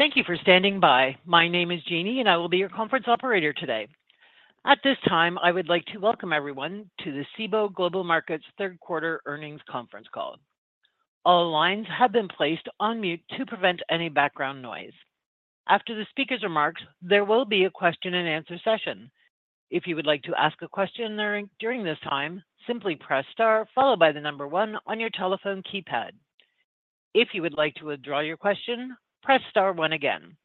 Thank you for standing by. My name is Jeannie, and I will be your conference operator today. At this time, I would like to welcome everyone to the Cboe Global Markets third-quarter earnings conference call. All lines have been placed on mute to prevent any background noise. After the speaker's remarks, there will be a question-and-answer session. If you would like to ask a question during this time, simply press star, followed by the number one on your telephone keypad. If you would like to withdraw your question, press star one again.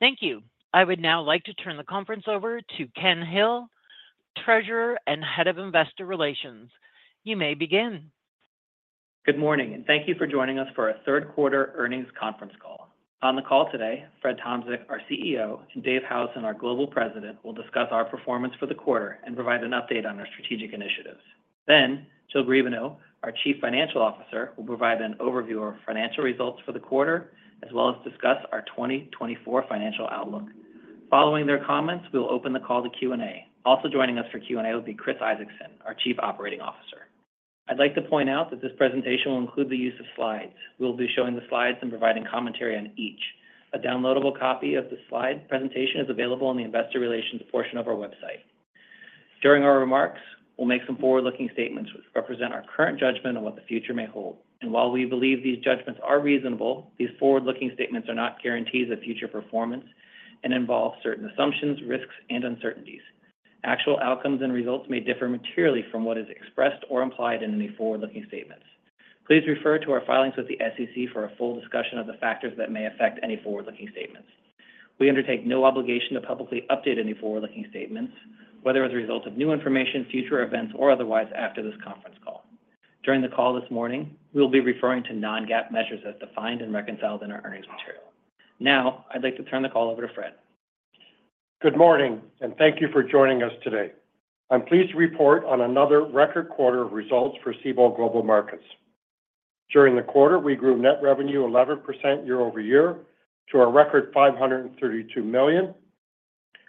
Thank you. I would now like to turn the conference over to Ken Hill, Treasurer and Head of Investor Relations. You may begin. Good morning, and thank you for joining us for our third-quarter earnings conference call. On the call today, Fred Tomczyk, our CEO, and Dave Howson, our Global President, will discuss our performance for the quarter and provide an update on our strategic initiatives. Then, Jill Griebenow, our Chief Financial Officer, will provide an overview of our financial results for the quarter, as well as discuss our 2024 financial outlook. Following their comments, we will open the call to Q&A. Also joining us for Q&A will be Chris Isaacson, our Chief Operating Officer. I'd like to point out that this presentation will include the use of slides. We will be showing the slides and providing commentary on each. A downloadable copy of the slide presentation is available in the Investor Relations portion of our website. During our remarks, we'll make some forward-looking statements which represent our current judgment on what the future may hold. And while we believe these judgments are reasonable, these forward-looking statements are not guarantees of future performance and involve certain assumptions, risks, and uncertainties. Actual outcomes and results may differ materially from what is expressed or implied in any forward-looking statements. Please refer to our filings with the SEC for a full discussion of the factors that may affect any forward-looking statements. We undertake no obligation to publicly update any forward-looking statements, whether as a result of new information, future events, or otherwise after this conference call. During the call this morning, we will be referring to non-GAAP measures as defined and reconciled in our earnings material. Now, I'd like to turn the call over to Fred. Good morning, and thank you for joining us today. I'm pleased to report on another record quarter of results for Cboe Global Markets. During the quarter, we grew net revenue 11% year-over-year to a record $532 million,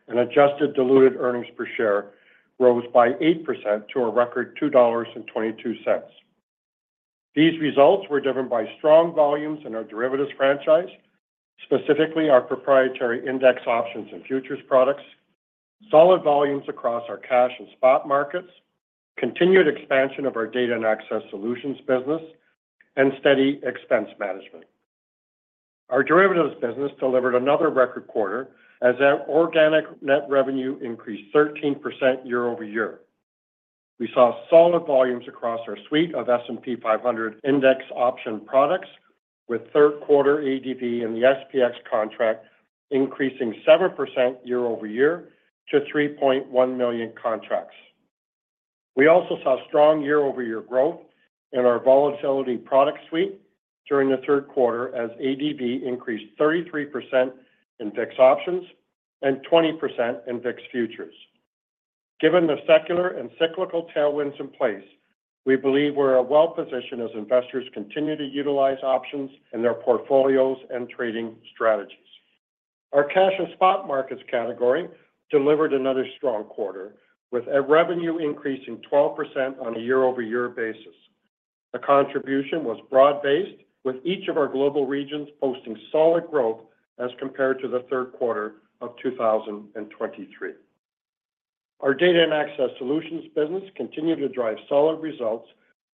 and adjusted diluted earnings per share rose by 8% to a record $2.22. These results were driven by strong volumes in our Derivatives franchise, specifically our proprietary index options and futures products, solid volumes across our Cash and Spot Markets, continued expansion of our Data and Access Solutions business, and steady expense management. Our Derivatives business delivered another record quarter as our organic net revenue increased 13% year-over-year. We saw solid volumes across our suite of S&P 500 index option products, with third-quarter ADV in the SPX contract increasing 7% year-over-year to 3.1 million contracts. We also saw strong year-over-year growth in our volatility product suite during the third quarter as ADV increased 33% in VIX options and 20% in VIX futures. Given the secular and cyclical tailwinds in place, we believe we're well positioned as investors continue to utilize options in their portfolios and trading strategies. Our Cash and Spot Markets category delivered another strong quarter, with a revenue increase of 12% on a year-over-year basis. The contribution was broad-based, with each of our global regions posting solid growth as compared to the third quarter of 2023. Our Data and Access Solutions business continued to drive solid results,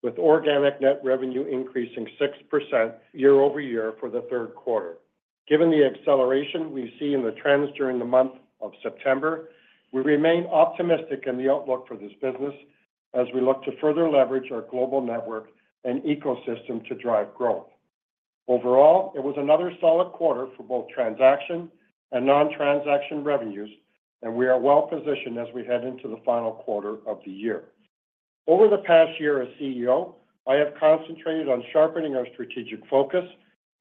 with organic net revenue increasing 6% year-over-year for the third quarter. Given the acceleration we see in the trends during the month of September, we remain optimistic in the outlook for this business as we look to further leverage our global network and ecosystem to drive growth. Overall, it was another solid quarter for both transaction and non-transaction revenues, and we are well positioned as we head into the final quarter of the year. Over the past year as CEO, I have concentrated on sharpening our strategic focus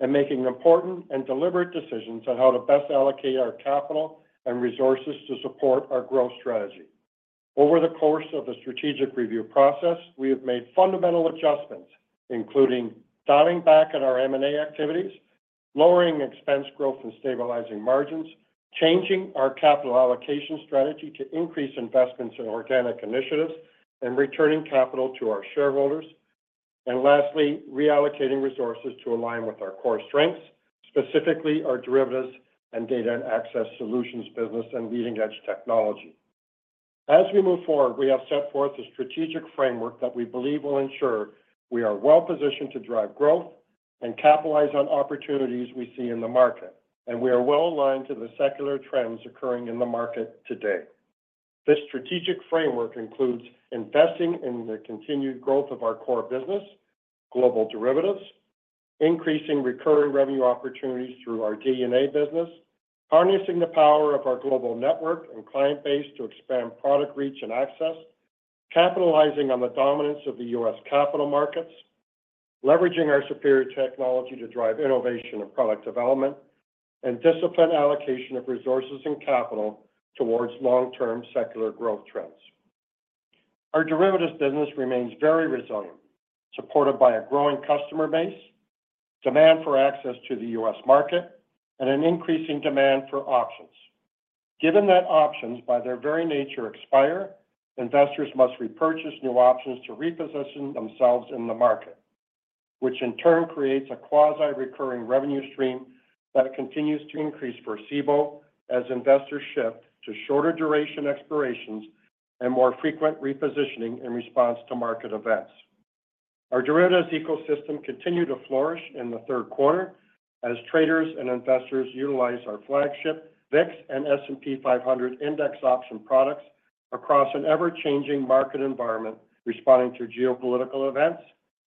and making important and deliberate decisions on how to best allocate our capital and resources to support our growth strategy. Over the course of the strategic review process, we have made fundamental adjustments, including dialing back at our M&A activities, lowering expense growth and stabilizing margins, changing our capital allocation strategy to increase investments in organic initiatives, and returning capital to our shareholders, and lastly, reallocating resources to align with our core strengths, specifically our Derivatives and Data and Access Solutions business and leading-edge technology. As we move forward, we have set forth a strategic framework that we believe will ensure we are well positioned to drive growth and capitalize on opportunities we see in the market, and we are well aligned to the secular trends occurring in the market today. This strategic framework includes investing in the continued growth of our core business, global Derivatives, increasing recurring revenue opportunities through our DnA business, harnessing the power of our global network and client base to expand product reach and access, capitalizing on the dominance of the U.S. capital markets, leveraging our superior technology to drive innovation and product development, and disciplined allocation of resources and capital towards long-term secular growth trends. Our Derivatives business remains very resilient, supported by a growing customer base, demand for access to the U.S. market, and an increasing demand for options. Given that options, by their very nature, expire, investors must repurchase new options to reposition themselves in the market, which in turn creates a quasi-recurring revenue stream that continues to increase for Cboe as investors shift to shorter duration expirations and more frequent repositioning in response to market events. Our Derivatives ecosystem continued to flourish in the third quarter as traders and investors utilize our flagship VIX and S&P 500 Index option products across an ever-changing market environment responding to geopolitical events,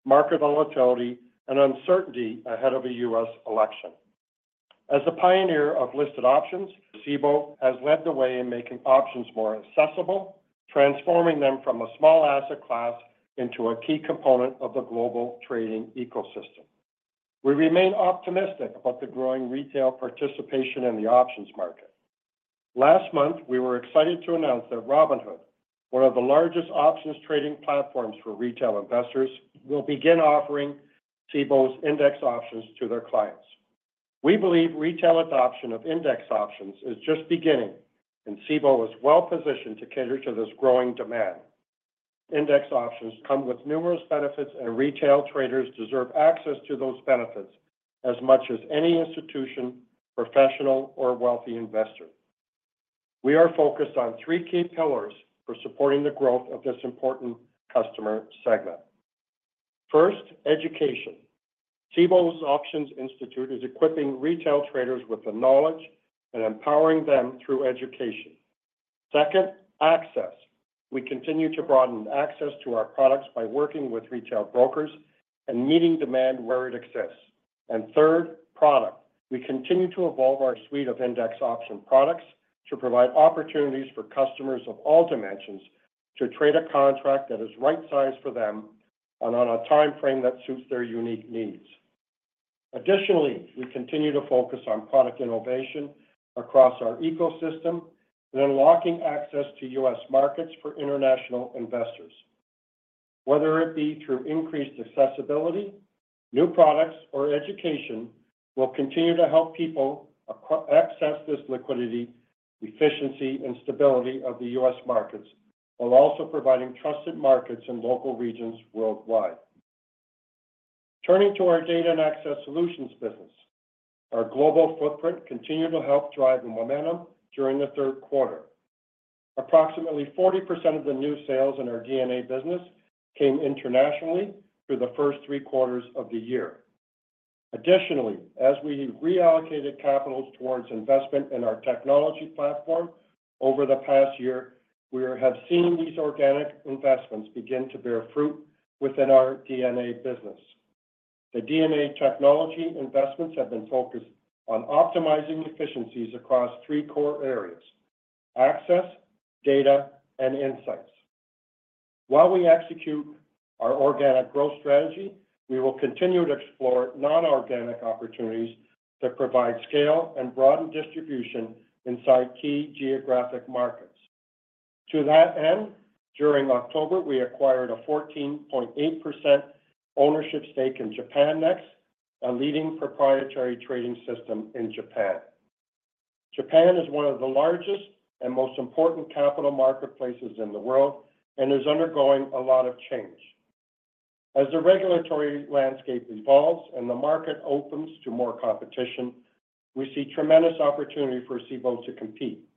market volatility, and uncertainty ahead of a U.S. election. As a pioneer of listed options, Cboe has led the way in making options more accessible, transforming them from a small asset class into a key component of the global trading ecosystem. We remain optimistic about the growing retail participation in the options market. Last month, we were excited to announce that Robinhood, one of the largest options trading platforms for retail investors, will begin offering Cboe's index options to their clients. We believe retail adoption of index options is just beginning, and Cboe is well positioned to cater to this growing demand. Index options come with numerous benefits, and retail traders deserve access to those benefits as much as any institution, professional, or wealthy investor. We are focused on three key pillars for supporting the growth of this important customer segment. First, education. Cboe's Options Institute is equipping retail traders with the knowledge and empowering them through education. Second, access. We continue to broaden access to our products by working with retail brokers and meeting demand where it exists. And third, product. We continue to evolve our suite of index option products to provide opportunities for customers of all dimensions to trade a contract that is right-sized for them and on a timeframe that suits their unique needs. Additionally, we continue to focus on product innovation across our ecosystem and unlocking access to U.S. markets for international investors. Whether it be through increased accessibility, new products, or education, we'll continue to help people access this liquidity, efficiency, and stability of the U.S. markets while also providing trusted markets in local regions worldwide. Turning to our Data and Access Solutions business, our global footprint continued to help drive the momentum during the third quarter. Approximately 40% of the new sales in our DnA business came internationally through the first three quarters of the year. Additionally, as we reallocated capital towards investment in our technology platform over the past year, we have seen these organic investments begin to bear fruit within our DnA business. The DnA technology investments have been focused on optimizing efficiencies across three core areas: access, data, and insights. While we execute our organic growth strategy, we will continue to explore non-organic opportunities to provide scale and broaden distribution inside key geographic markets. To that end, during October, we acquired a 14.8% ownership stake in Japannext, a leading proprietary trading system in Japan. Japan is one of the largest and most important capital marketplaces in the world and is undergoing a lot of change. As the regulatory landscape evolves and the market opens to more competition, we see tremendous opportunity for Cboe to compete.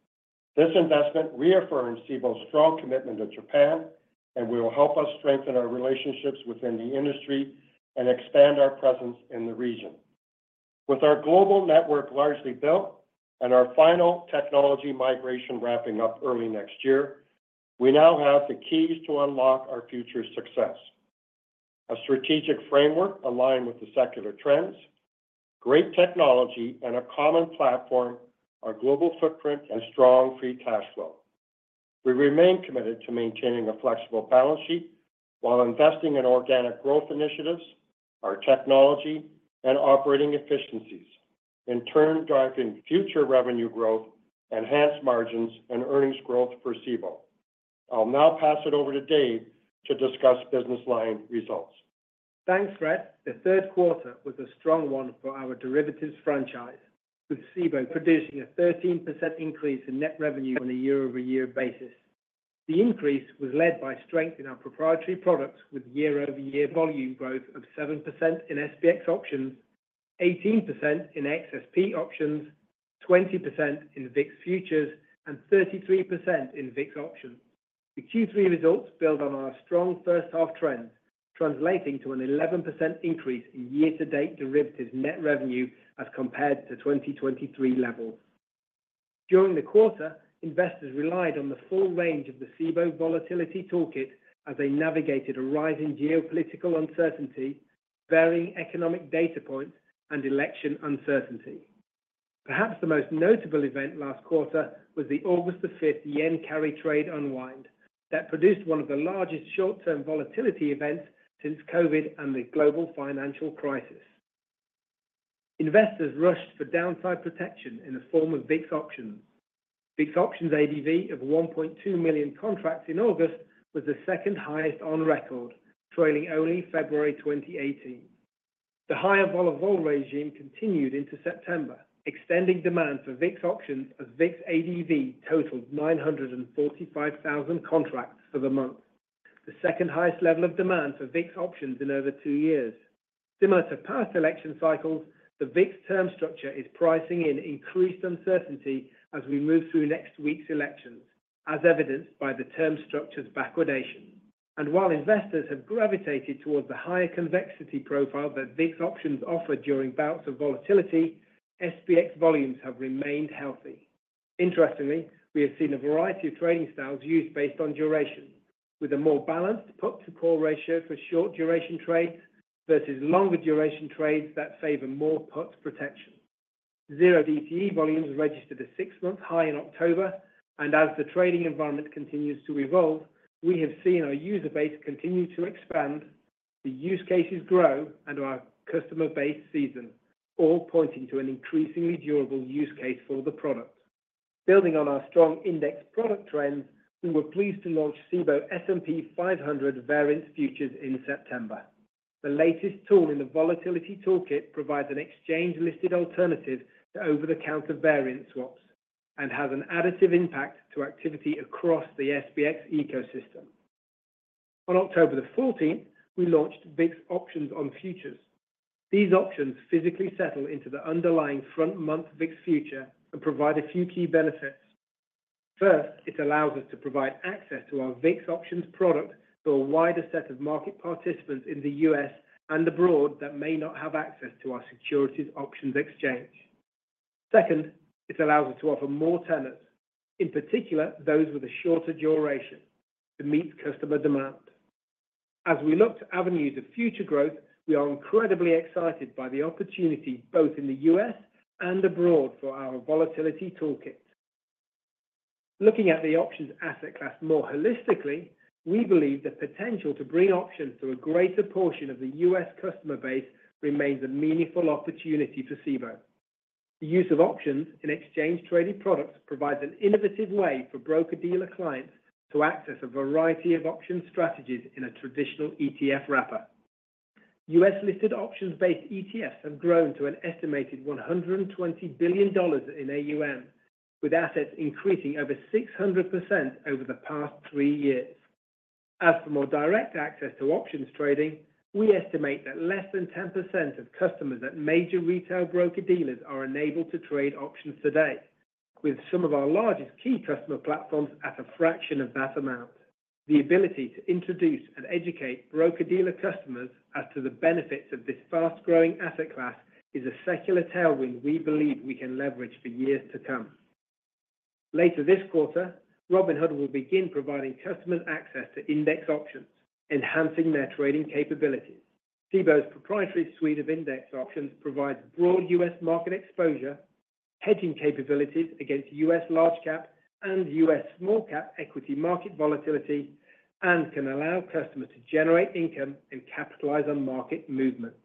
This investment reaffirms Cboe's strong commitment to Japan, and will help us strengthen our relationships within the industry and expand our presence in the region. With our global network largely built and our final technology migration wrapping up early next year, we now have the keys to unlock our future success. A strategic framework aligned with the secular trends, great technology, and a common platform, our global footprint and strong free cash flow. We remain committed to maintaining a flexible balance sheet while investing in organic growth initiatives, our technology, and operating efficiencies, in turn driving future revenue growth, enhanced margins, and earnings growth for Cboe. I'll now pass it over to Dave to discuss business line results. Thanks, Fred. The third quarter was a strong one for our Derivatives franchise, with Cboe producing a 13% increase in net revenue on a year-over-year basis. The increase was led by strength in our proprietary products, with year-over-year volume growth of 7% in SPX options, 18% in XSP options, 20% in VIX futures, and 33% in VIX options. The Q3 results build on our strong first-half trends, translating to an 11% increase in year-to-date Derivatives net revenue as compared to 2023 levels. During the quarter, investors relied on the full range of the Cboe Volatility Toolkit as they navigated a rise in geopolitical uncertainty, varying economic data points, and election uncertainty. Perhaps the most notable event last quarter was the August 5th yen carry trade unwind that produced one of the largest short-term volatility events since COVID and the global financial crisis. Investors rushed for downside protection in the form of VIX options. VIX options ADV of 1.2 million contracts in August was the second highest on record, trailing only February 2018. The higher volatility regime continued into September, extending demand for VIX options as VIX ADV totaled 945,000 contracts for the month, the second highest level of demand for VIX options in over two years. Similar to past election cycles, the VIX term structure is pricing in increased uncertainty as we move through next week's elections, as evidenced by the term structure's backwardation. And while investors have gravitated towards the higher convexity profile that VIX options offer during bouts of volatility, SPX volumes have remained healthy. Interestingly, we have seen a variety of trading styles used based on duration, with a more balanced put-to-call ratio for short-duration trades versus longer-duration trades that favor more put protection. 0DTE volumes registered a six-month high in October, and as the trading environment continues to evolve, we have seen our user base continue to expand, the use cases grow, and our customer base seasoned, all pointing to an increasingly durable use case for the product. Building on our strong index product trends, we were pleased to launch Cboe S&P 500 Variance Futures in September. The latest tool in the Volatility Toolkit provides an exchange-listed alternative to over-the-counter variance swaps and has an additive impact to activity across the SPX ecosystem. On October 14th, we launched VIX Options on Futures. These options physically settle into the underlying front-month VIX future and provide a few key benefits. First, it allows us to provide access to our VIX options product to a wider set of market participants in the U.S. and abroad that may not have access to our securities options exchange. Second, it allows us to offer more tenors, in particular those with a shorter duration, to meet customer demand. As we look to avenues of future growth, we are incredibly excited by the opportunity both in the U.S. and abroad for our Volatility Toolkit. Looking at the options asset class more holistically, we believe the potential to bring options to a greater portion of the U.S. customer base remains a meaningful opportunity for Cboe. The use of options in exchange-traded products provides an innovative way for broker-dealer clients to access a variety of options strategies in a traditional ETF wrapper. U.S.-listed options-based ETFs have grown to an estimated $120 billion in AUM, with assets increasing over 600% over the past three years. As for more direct access to options trading, we estimate that less than 10% of customers at major retail broker-dealers are enabled to trade options today, with some of our largest key customer platforms at a fraction of that amount. The ability to introduce and educate broker-dealer customers as to the benefits of this fast-growing asset class is a secular tailwind we believe we can leverage for years to come. Later this quarter, Robinhood will begin providing customers access to index options, enhancing their trading capabilities. Cboe's proprietary suite of index options provides broad U.S. market exposure, hedging capabilities against U.S. large-cap and U.S. small-cap equity market volatility, and can allow customers to generate income and capitalize on market movements.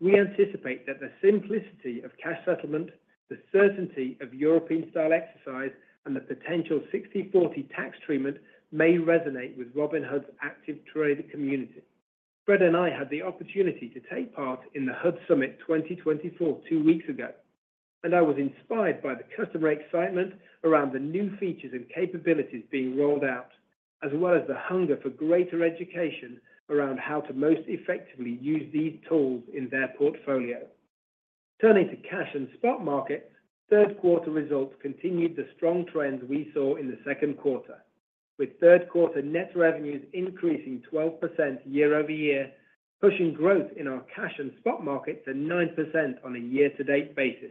We anticipate that the simplicity of cash settlement, the certainty of European-style exercise, and the potential 60/40 tax treatment may resonate with Robinhood's active trader community. Fred and I had the opportunity to take part in the HOOD Summit 2024 two weeks ago, and I was inspired by the customer excitement around the new features and capabilities being rolled out, as well as the hunger for greater education around how to most effectively use these tools in their portfolio. Turning toCash and Spot Markets, third-quarter results continued the strong trends we saw in the second quarter, with third-quarter net revenues increasing 12% year-over-year, pushing growth in our Cash and Spot Markets to 9% on a year-to-date basis.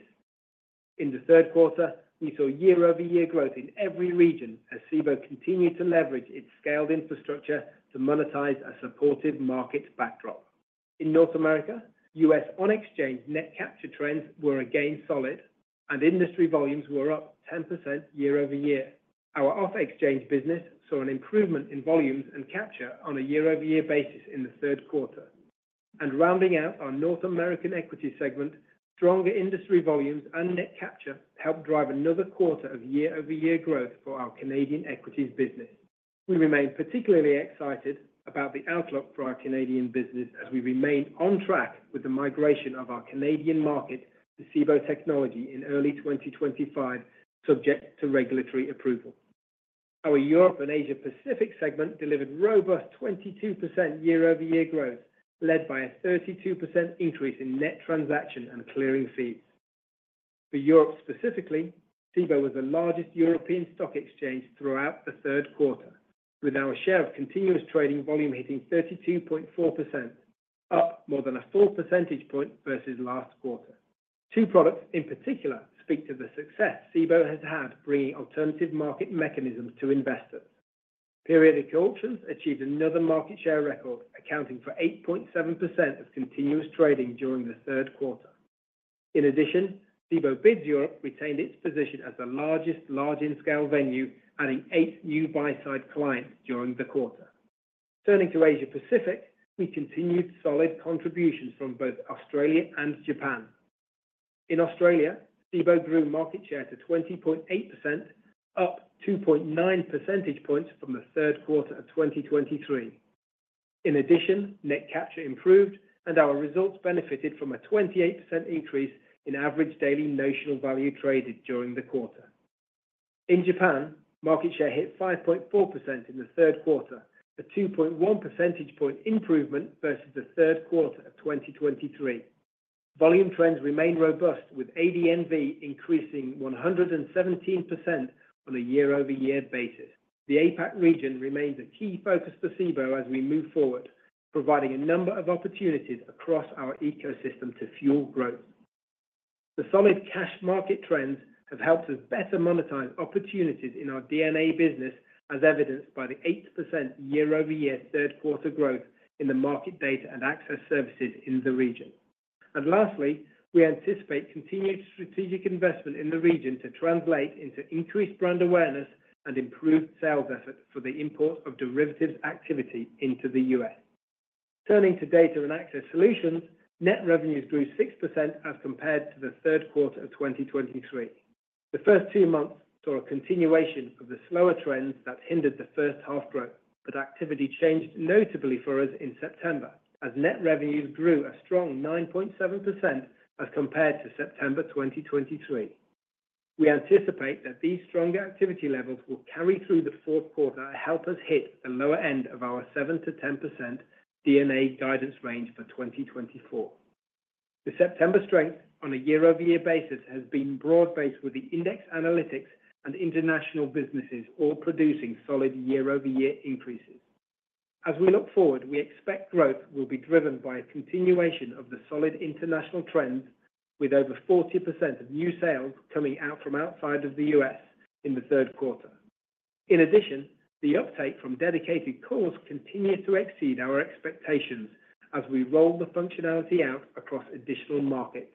In the third quarter, we saw year-over-year growth in every region as Cboe continued to leverage its scaled infrastructure to monetize a supportive market backdrop. In North America, U.S. on-exchange net capture trends were again solid, and industry volumes were up 10% year-over-year. Our off-exchange business saw an improvement in volumes and capture on a year-over-year basis in the third quarter. And rounding out our North American equity segment, stronger industry volumes and net capture helped drive another quarter of year-over-year growth for our Canadian equities business. We remain particularly excited about the outlook for our Canadian business as we remain on track with the migration of our Canadian market to Cboe Technology in early 2025, subject to regulatory approval. Our Europe and Asia-Pacific segment delivered robust 22% year-over-year growth, led by a 32% increase in net transaction and clearing fees. For Europe specifically, Cboe was the largest European stock exchange throughout the third quarter, with our share of continuous trading volume hitting 32.4%, up more than a full percentage point versus last quarter. Two products in particular speak to the success Cboe has had, bringing alternative market mechanisms to investors. Periodic Auctions achieved another market share record, accounting for 8.7% of continuous trading during the third quarter. In addition, Cboe BIDS Europe retained its position as the largest large-in-scale venue, adding eight new buy-side clients during the quarter. Turning to Asia-Pacific, we continued solid contributions from both Australia and Japan. In Australia, Cboe grew market share to 20.8%, up 2.9 percentage points from the third quarter of 2023. In addition, net capture improved, and our results benefited from a 28% increase in average daily notional value traded during the quarter. In Japan, market share hit 5.4% in the third quarter, a 2.1 percentage point improvement versus the third quarter of 2023. Volume trends remain robust, with ADNV increasing 117% on a year-over-year basis. The APAC region remains a key focus for Cboe as we move forward, providing a number of opportunities across our ecosystem to fuel growth. The solid cash market trends have helped us better monetize opportunities in our DnA business, as evidenced by the 8% year-over-year third-quarter growth in the market data and access services in the region. And lastly, we anticipate continued strategic investment in the region to translate into increased brand awareness and improved sales efforts for the import of Derivatives activity into the U.S. Turning to Data and Access Solutions, net revenues grew 6% as compared to the third quarter of 2023. The first two months saw a continuation of the slower trends that hindered the first-half growth, but activity changed notably for us in September, as net revenues grew a strong 9.7% as compared to September 2023. We anticipate that these strong activity levels will carry through the fourth quarter and help us hit the lower end of our 7%-10% DnA guidance range for 2024. The September strength on a year-over-year basis has been broad-based with the index analytics and international businesses all producing solid year-over-year increases. As we look forward, we expect growth will be driven by a continuation of the solid international trends, with over 40% of new sales coming out from outside of the U.S. in the third quarter. In addition, the uptake from Dedicated Cores continues to exceed our expectations as we roll the functionality out across additional markets.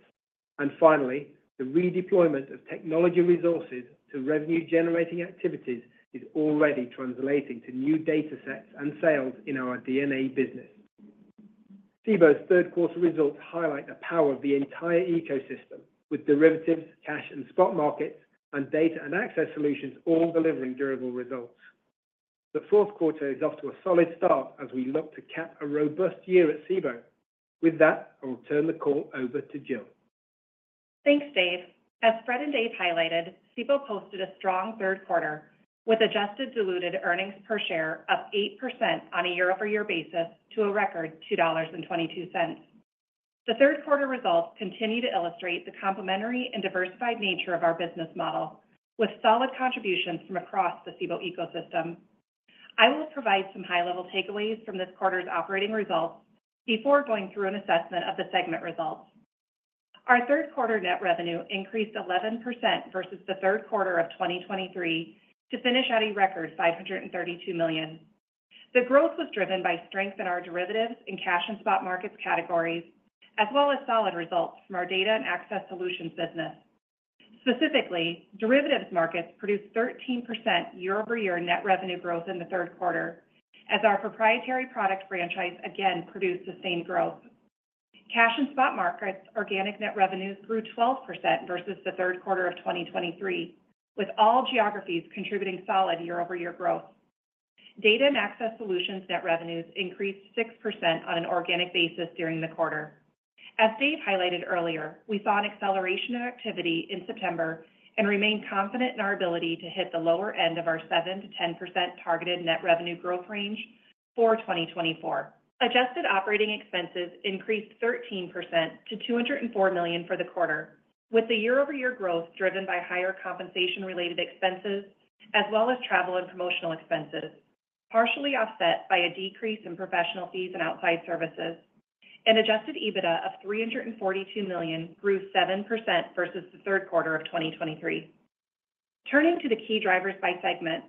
And finally, the redeployment of technology resources to revenue-generating activities is already translating to new data sets and sales in our DnA business. Cboe's third-quarter results highlight the power of the entire ecosystem, with Derivatives, Cash and Spot Markets, and Data and Access Solutions all delivering durable results. The fourth quarter is off to a solid start as we look to cap a robust year at Cboe. With that, I will turn the call over to Jill. Thanks, Dave. As Fred and Dave highlighted, Cboe posted a strong third quarter, with adjusted diluted earnings per share up 8% on a year-over-year basis to a record $2.22. The third-quarter results continue to illustrate the complementary and diversified nature of our business model, with solid contributions from across the Cboe ecosystem. I will provide some high-level takeaways from this quarter's operating results before going through an assessment of the segment results. Our third-quarter net revenue increased 11% versus the third quarter of 2023 to finish at a record $532 million. The growth was driven by strength in our Derivatives and cash and spot markets categories, as well as solid results from our Data and Access Solutions business. Specifically, Derivatives markets produced 13% year-over-year net revenue growth in the third quarter, as our proprietary product franchise again produced sustained growth. Cash and Spot Markets' organic net revenues grew 12% versus the third quarter of 2023, with all geographies contributing solid year-over-year growth. Data and Access Solutions net revenues increased 6% on an organic basis during the quarter. As Dave highlighted earlier, we saw an acceleration of activity in September and remained confident in our ability to hit the lower end of our 7%-10% targeted net revenue growth range for 2024. Adjusted operating expenses increased 13% to $204 million for the quarter, with the year-over-year growth driven by higher compensation-related expenses, as well as travel and promotional expenses, partially offset by a decrease in professional fees and outside services. An Adjusted EBITDA of $342 million grew 7% versus the third quarter of 2023. Turning to the key drivers by segment,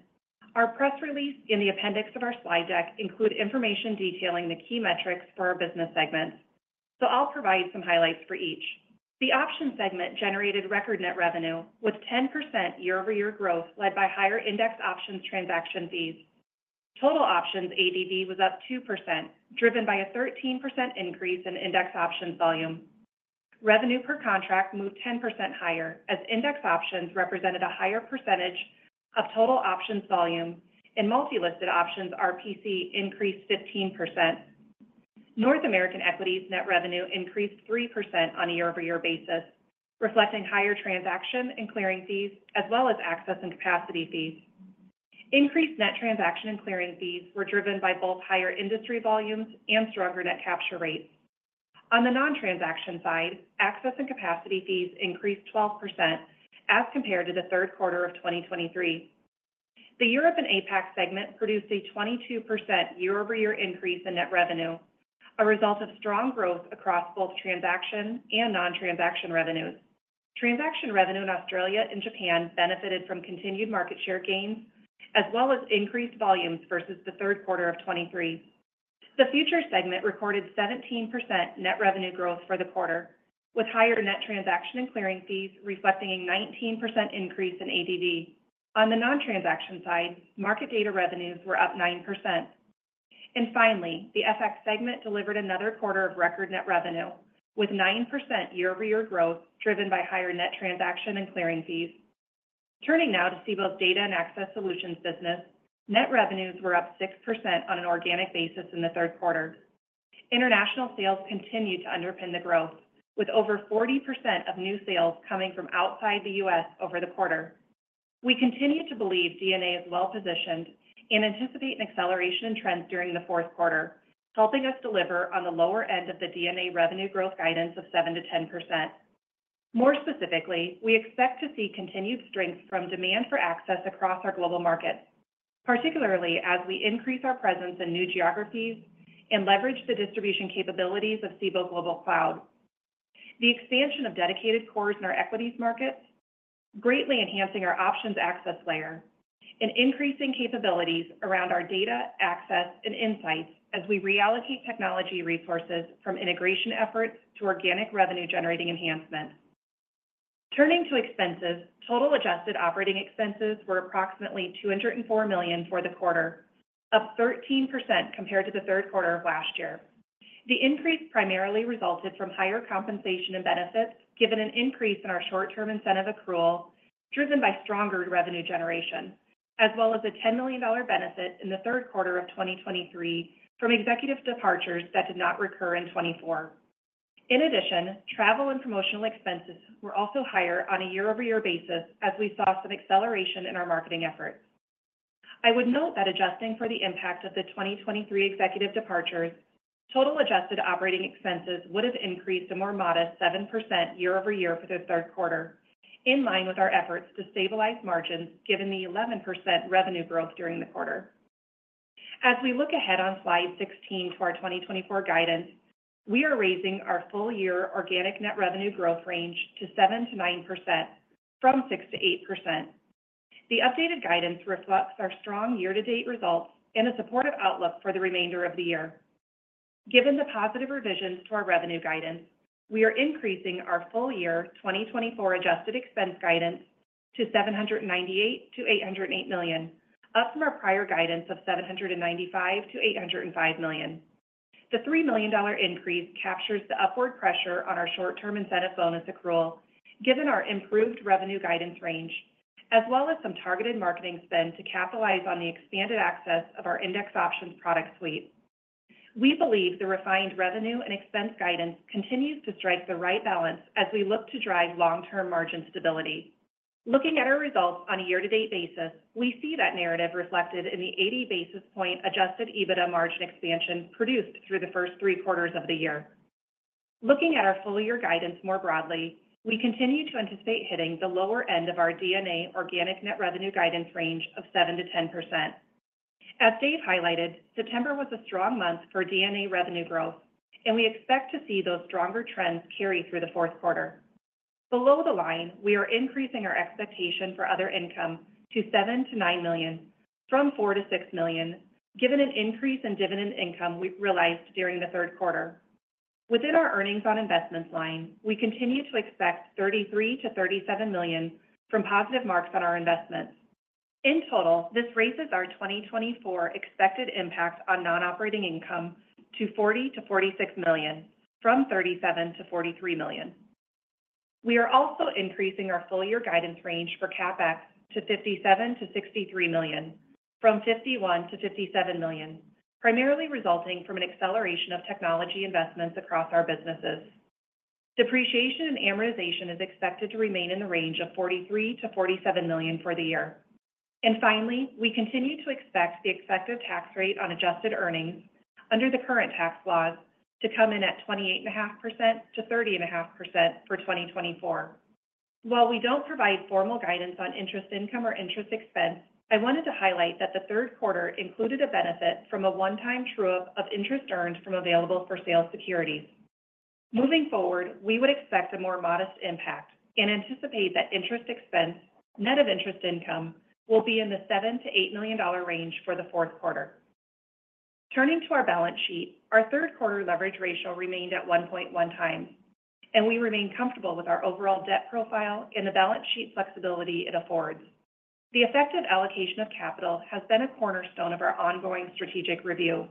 our press release in the appendix of our slide deck includes information detailing the key metrics for our business segments, so I'll provide some highlights for each. The Options segment generated record net revenue, with 10% year-over-year growth led by higher index options transaction fees. Total options ADV was up 2%, driven by a 13% increase in index options volume. Revenue per contract moved 10% higher, as index options represented a higher percentage of total options volume, and multi-listed options RPC increased 15%. North American equities net revenue increased 3% on a year-over-year basis, reflecting higher transaction and clearing fees, as well as access and capacity fees. Increased net transaction and clearing fees were driven by both higher industry volumes and stronger net capture rates. On the non-transaction side, access and capacity fees increased 12% as compared to the third quarter of 2023. The Europe and APAC segment produced a 22% year-over-year increase in net revenue, a result of strong growth across both transaction and non-transaction revenues. Transaction revenue in Australia and Japan benefited from continued market share gains, as well as increased volumes versus the third quarter of 2023. The Futures segment recorded 17% net revenue growth for the quarter, with higher net transaction and clearing fees reflecting a 19% increase in ADV. On the non-transaction side, market data revenues were up 9%. And finally, the FX segment delivered another quarter of record net revenue, with 9% year-over-year growth driven by higher net transaction and clearing fees. Turning now to Cboe's Data and Access Solutions business, net revenues were up 6% on an organic basis in the third quarter. International sales continued to underpin the growth, with over 40% of new sales coming from outside the U.S. over the quarter. We continue to believe DnA is well-positioned and anticipate an acceleration in trends during the fourth quarter, helping us deliver on the lower end of the DnA revenue growth guidance of 7%-10%. More specifically, we expect to see continued strength from demand for access across our global markets, particularly as we increase our presence in new geographies and leverage the distribution capabilities of Cboe Global Cloud. The expansion of dedicated cores in our equities markets greatly enhances our options access layer and increases capabilities around our data, access, and insights as we reallocate technology resources from integration efforts to organic revenue-generating enhancements. Turning to expenses, total adjusted operating expenses were approximately $204 million for the quarter, up 13% compared to the third quarter of last year. The increase primarily resulted from higher compensation and benefits, given an increase in our short-term incentive accrual driven by stronger revenue generation, as well as a $10 million benefit in the third quarter of 2023 from executive departures that did not recur in 2024. In addition, travel and promotional expenses were also higher on a year-over-year basis as we saw some acceleration in our marketing efforts. I would note that adjusting for the impact of the 2023 executive departures, total adjusted operating expenses would have increased a more modest 7% year-over-year for the third quarter, in line with our efforts to stabilize margins given the 11% revenue growth during the quarter. As we look ahead on slide 16 to our 2024 guidance, we are raising our full-year organic net revenue growth range to 7%-9% from 6%-8%. The updated guidance reflects our strong year-to-date results and a supportive outlook for the remainder of the year. Given the positive revisions to our revenue guidance, we are increasing our full-year 2024 adjusted expense guidance to $798 million-$808 million, up from our prior guidance of $795 million-$805 million. The $3 million increase captures the upward pressure on our short-term incentive bonus accrual, given our improved revenue guidance range, as well as some targeted marketing spend to capitalize on the expanded access of our index options product suite. We believe the refined revenue and expense guidance continues to strike the right balance as we look to drive long-term margin stability. Looking at our results on a year-to-date basis, we see that narrative reflected in the 80 basis points adjusted EBITDA margin expansion produced through the first three quarters of the year. Looking at our full-year guidance more broadly, we continue to anticipate hitting the lower end of our DnA organic net revenue guidance range of 7%-10%. As Dave highlighted, September was a strong month for DnA revenue growth, and we expect to see those stronger trends carry through the fourth quarter. Below the line, we are increasing our expectation for other income to $7 million-$9 million, from $4 million-$6 million, given an increase in dividend income we realized during the third quarter. Within our earnings on investments line, we continue to expect $33 million-$37 million from positive marks on our investments. In total, this raises our 2024 expected impact on non-operating income to $40 million-$46 million, from $37 million-$43 million. We are also increasing our full-year guidance range for CapEx to $57 million-$63 million, from $51 million-$57 million, primarily resulting from an acceleration of technology investments across our businesses. Depreciation and amortization is expected to remain in the range of $43 million-$47 million for the year. And finally, we continue to expect the expected tax rate on adjusted earnings under the current tax laws to come in at 28.5%-30.5% for 2024. While we don't provide formal guidance on interest income or interest expense, I wanted to highlight that the third quarter included a benefit from a one-time true-up of interest earned from available-for-sale securities. Moving forward, we would expect a more modest impact and anticipate that interest expense, net of interest income, will be in the $7 million-$8 million range for the fourth quarter. Turning to our balance sheet, our third-quarter leverage ratio remained at 1.1 times, and we remain comfortable with our overall debt profile and the balance sheet flexibility it affords. The effective allocation of capital has been a cornerstone of our ongoing strategic review.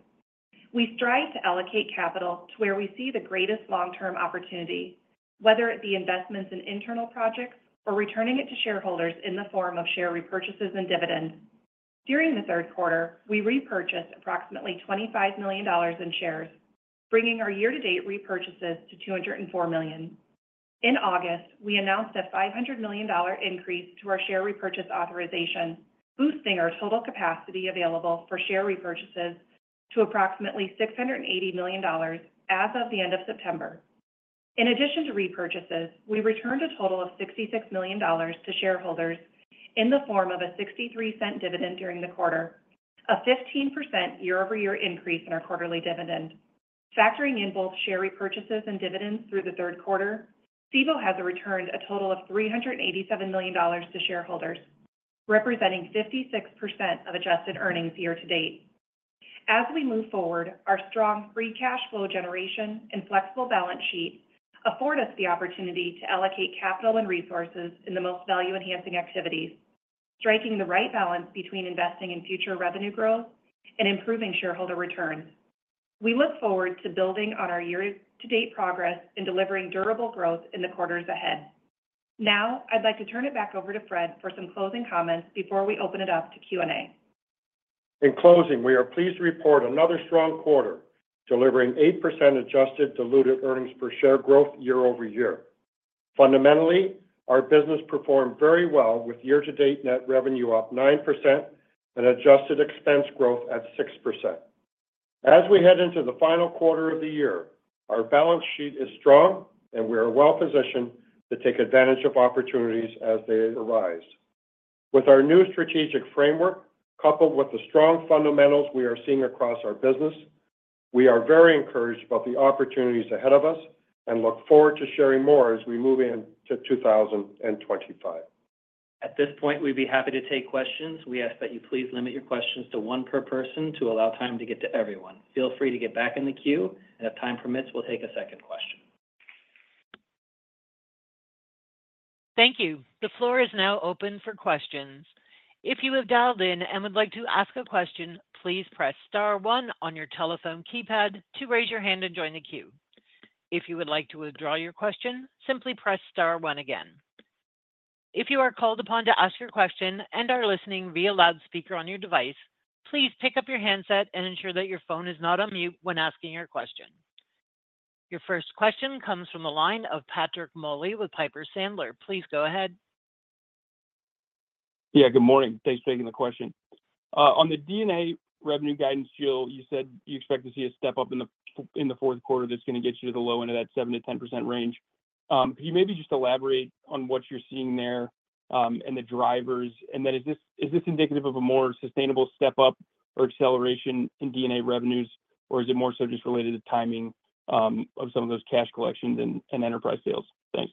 We strive to allocate capital to where we see the greatest long-term opportunity, whether it be investments in internal projects or returning it to shareholders in the form of share repurchases and dividends. During the third quarter, we repurchased approximately $25 million in shares, bringing our year-to-date repurchases to $204 million. In August, we announced a $500 million increase to our share repurchase authorization, boosting our total capacity available for share repurchases to approximately $680 million as of the end of September. In addition to repurchases, we returned a total of $66 million to shareholders in the form of a $0.63 dividend during the quarter, a 15% year-over-year increase in our quarterly dividend. Factoring in both share repurchases and dividends through the third quarter, Cboe has returned a total of $387 million to shareholders, representing 56% of adjusted earnings year-to-date. As we move forward, our strong free cash flow generation and flexible balance sheet afford us the opportunity to allocate capital and resources in the most value-enhancing activities, striking the right balance between investing in future revenue growth and improving shareholder returns. We look forward to building on our year-to-date progress and delivering durable growth in the quarters ahead. Now, I'd like to turn it back over to Fred for some closing comments before we open it up to Q&A. In closing, we are pleased to report another strong quarter, delivering 8% adjusted diluted earnings per share growth year-over-year. Fundamentally, our business performed very well, with year-to-date net revenue up 9% and adjusted expense growth at 6%. As we head into the final quarter of the year, our balance sheet is strong, and we are well-positioned to take advantage of opportunities as they arise. With our new strategic framework coupled with the strong fundamentals we are seeing across our business, we are very encouraged about the opportunities ahead of us and look forward to sharing more as we move into 2025. At this point, we'd be happy to take questions. We ask that you please limit your questions to one per person to allow time to get to everyone. Feel free to get back in the queue, and if time permits, we'll take a second question. Thank you. The floor is now open for questions. If you have dialed in and would like to ask a question, please press star 1 on your telephone keypad to raise your hand and join the queue. If you would like to withdraw your question, simply press star 1 again. If you are called upon to ask your question and are listening via loudspeaker on your device, please pick up your handset and ensure that your phone is not on mute when asking your question. Your first question comes from the line of Patrick Moley with Piper Sandler. Please go ahead. Yeah, good morning. Thanks for taking the question. On the DnA revenue guidance, Jill, you said you expect to see a step up in the fourth quarter that's going to get you to the low end of that 7%-10% range. Could you maybe just elaborate on what you're seeing there and the drivers? And then is this indicative of a more sustainable step up or acceleration in DnA revenues, or is it more so just related to timing of some of those cash collections and enterprise sales? Thanks.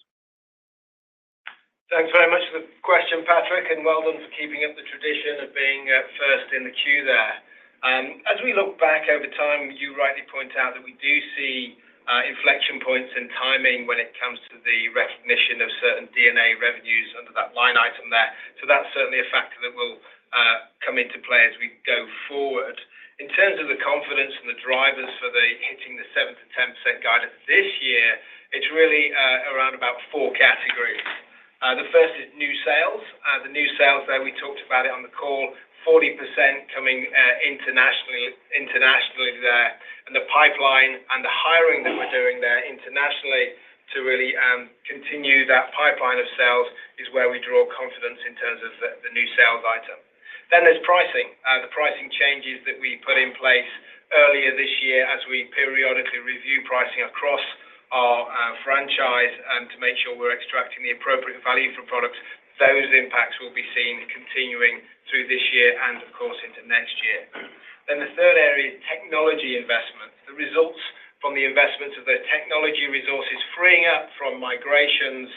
Thanks very much for the question, Patrick, and well done for keeping up the tradition of being first in the queue there. As we look back over time, you rightly point out that we do see inflection points in timing when it comes to the recognition of certain DnA revenues under that line item there. So that's certainly a factor that will come into play as we go forward. In terms of the confidence and the drivers for hitting the 7%-10% guidance this year, it's really around about four categories. The first is new sales. The new sales there, we talked about it on the call, 40% coming internationally there, and the pipeline and the hiring that we're doing there internationally to really continue that pipeline of sales is where we draw confidence in terms of the new sales item, then there's pricing. The pricing changes that we put in place earlier this year, as we periodically review pricing across our franchise to make sure we're extracting the appropriate value from products. Those impacts will be seen continuing through this year and, of course, into next year. Then the third area is technology investments. The results from the investments of those technology resources freeing up from migrations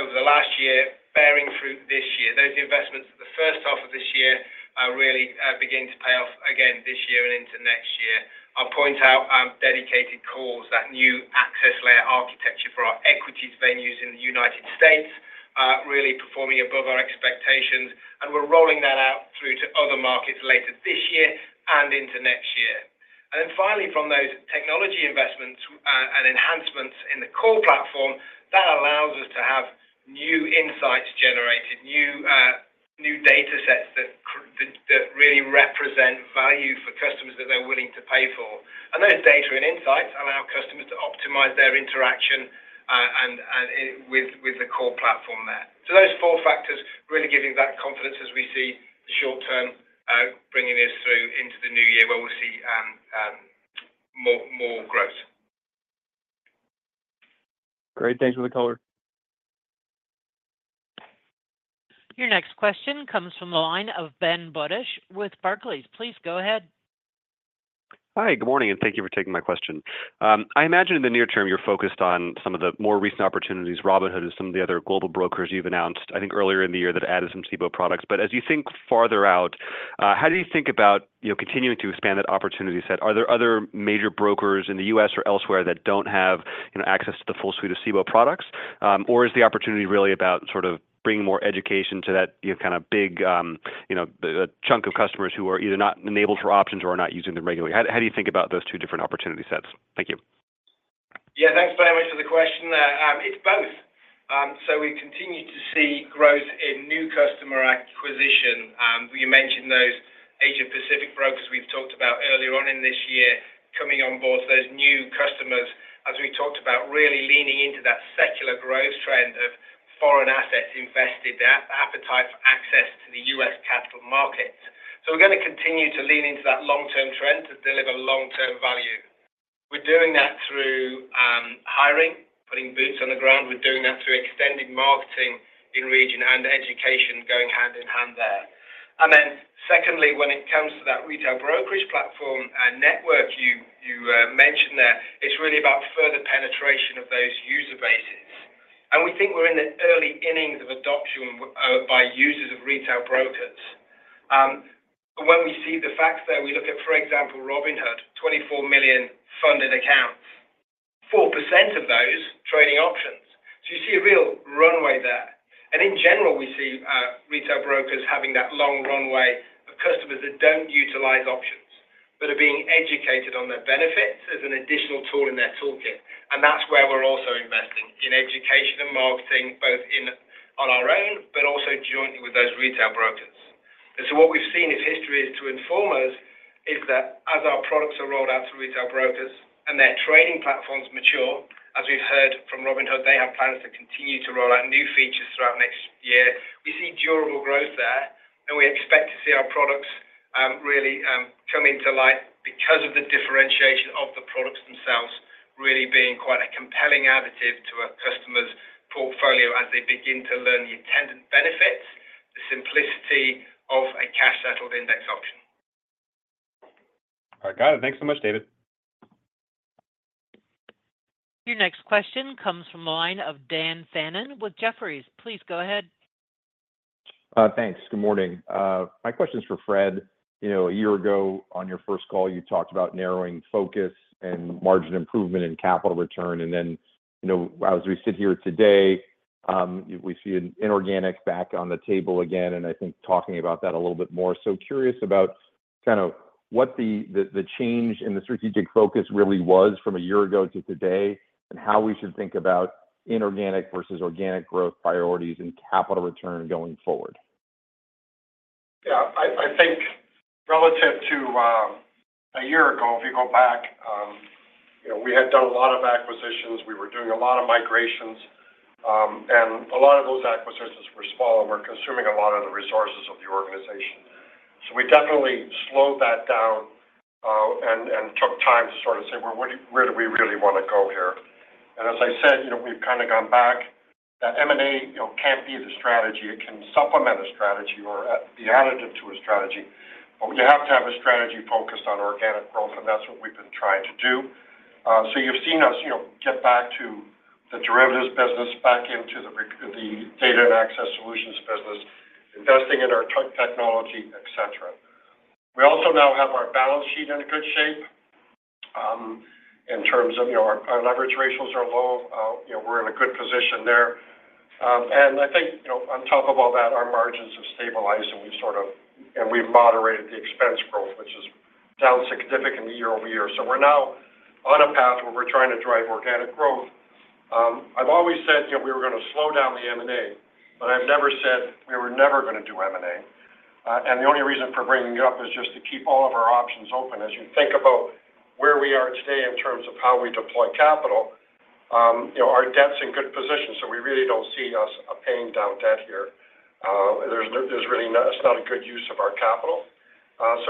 over the last year bearing fruit this year. Those investments at the first half of this year are really beginning to pay off again this year and into next year. I'll point out Dedicated Cores, that new access layer architecture for our equities venues in the United States, really performing above our expectations, and we're rolling that out through to other markets later this year and into next year. And then finally, from those technology investments and enhancements in the core platform, that allows us to have new insights generated, new data sets that really represent value for customers that they're willing to pay for. And those data and insights allow customers to optimize their interaction with the core platform there. So those four factors really giving that confidence as we see the short term bringing us through into the new year where we'll see more growth. Great. Thanks for the color. Your next question comes from the line of Ben Budish with Barclays. Please go ahead. Hi, good morning, and thank you for taking my question. I imagine in the near term you're focused on some of the more recent opportunities Robinhood and some of the other global brokers you've announced, I think earlier in the year, that added some Cboe products. But as you think farther out, how do you think about continuing to expand that opportunity set? Are there other major brokers in the U.S. or elsewhere that don't have access to the full suite of Cboe products? Or is the opportunity really about sort of bringing more education to that kind of big chunk of customers who are either not enabled for options or are not using them regularly? How do you think about those two different opportunity sets? Thank you. Yeah, thanks very much for the question. It's both, so we continue to see growth in new customer acquisition. You mentioned those Asia-Pacific brokers we've talked about earlier on in this year coming on board to those new customers, as we talked about, really leaning into that secular growth trend of foreign assets invested, that appetite for access to the U.S. capital markets, so we're going to continue to lean into that long-term trend to deliver long-term value. We're doing that through hiring, putting boots on the ground. We're doing that through extended marketing in region and education going hand in hand there, and then secondly, when it comes to that retail brokerage platform network you mentioned there, it's really about further penetration of those user bases, and we think we're in the early innings of adoption by users of retail brokers. When we see the facts there, we look at, for example, Robinhood, 24 million funded accounts, 4% of those trading options. So you see a real runway there. And in general, we see retail brokers having that long runway of customers that don't utilize options but are being educated on their benefits as an additional tool in their toolkit. And that's where we're also investing in education and marketing, both on our own but also jointly with those retail brokers. And so what we've seen as history is to inform us that as our products are rolled out to retail brokers and their trading platforms mature, as we've heard from Robinhood, they have plans to continue to roll out new features throughout next year. We see durable growth there, and we expect to see our products really come into light because of the differentiation of the products themselves really being quite a compelling additive to a customer's portfolio as they begin to learn the attendant benefits, the simplicity of a cash-settled index option. All right, got it. Thanks so much, David. Your next question comes from the line of Dan Fannon with Jefferies. Please go ahead. Thanks. Good morning. My question is for Fred. A year ago, on your first call, you talked about narrowing focus and margin improvement and capital return. And then as we sit here today, we see an inorganic back on the table again, and I think talking about that a little bit more. So curious about kind of what the change in the strategic focus really was from a year ago to today and how we should think about inorganic versus organic growth priorities and capital return going forward. Yeah, I think relative to a year ago, if you go back, we had done a lot of acquisitions. We were doing a lot of migrations, and a lot of those acquisitions were small and were consuming a lot of the resources of the organization. So we definitely slowed that down and took time to sort of say, "Well, where do we really want to go here?" And as I said, we've kind of gone back. That M&A can't be the strategy. It can supplement a strategy or be additive to a strategy. But you have to have a strategy focused on organic growth, and that's what we've been trying to do. So you've seen us get back to the Derivatives business, back into the Data and Access Solutions business, investing in our tech technology, etc. We also now have our balance sheet in good shape in terms of our leverage ratios are low. We're in a good position there, and I think on top of all that, our margins have stabilized, and we've sort of moderated the expense growth, which is down significantly year-over-year, so we're now on a path where we're trying to drive organic growth. I've always said we were going to slow down the M&A, but I've never said we were never going to do M&A, and the only reason for bringing it up is just to keep all of our options open. As you think about where we are today in terms of how we deploy capital, our debt's in good position, so we really don't see us paying down debt here. It's not a good use of our capital.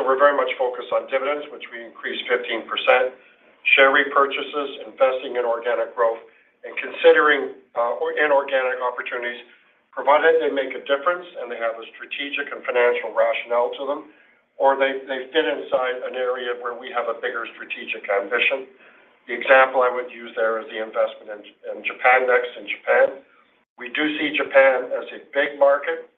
We're very much focused on dividends, which we increased 15%, share repurchases, investing in organic growth, and considering inorganic opportunities provided they make a difference and they have a strategic and financial rationale to them, or they fit inside an area where we have a bigger strategic ambition. The example I would use there is the investment in Japannext in Japan. We do see Japan as a big market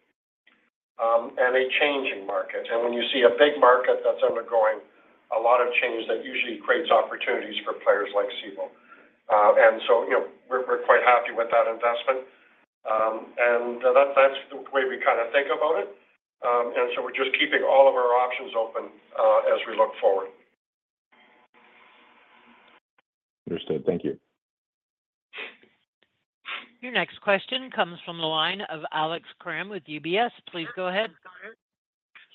and a changing market. And when you see a big market that's undergoing a lot of change, that usually creates opportunities for players like Cboe. And so we're quite happy with that investment. And that's the way we kind of think about it. And so we're just keeping all of our options open as we look forward. Understood. Thank you. Your next question comes from the line of Alex Kramm with UBS. Please go ahead.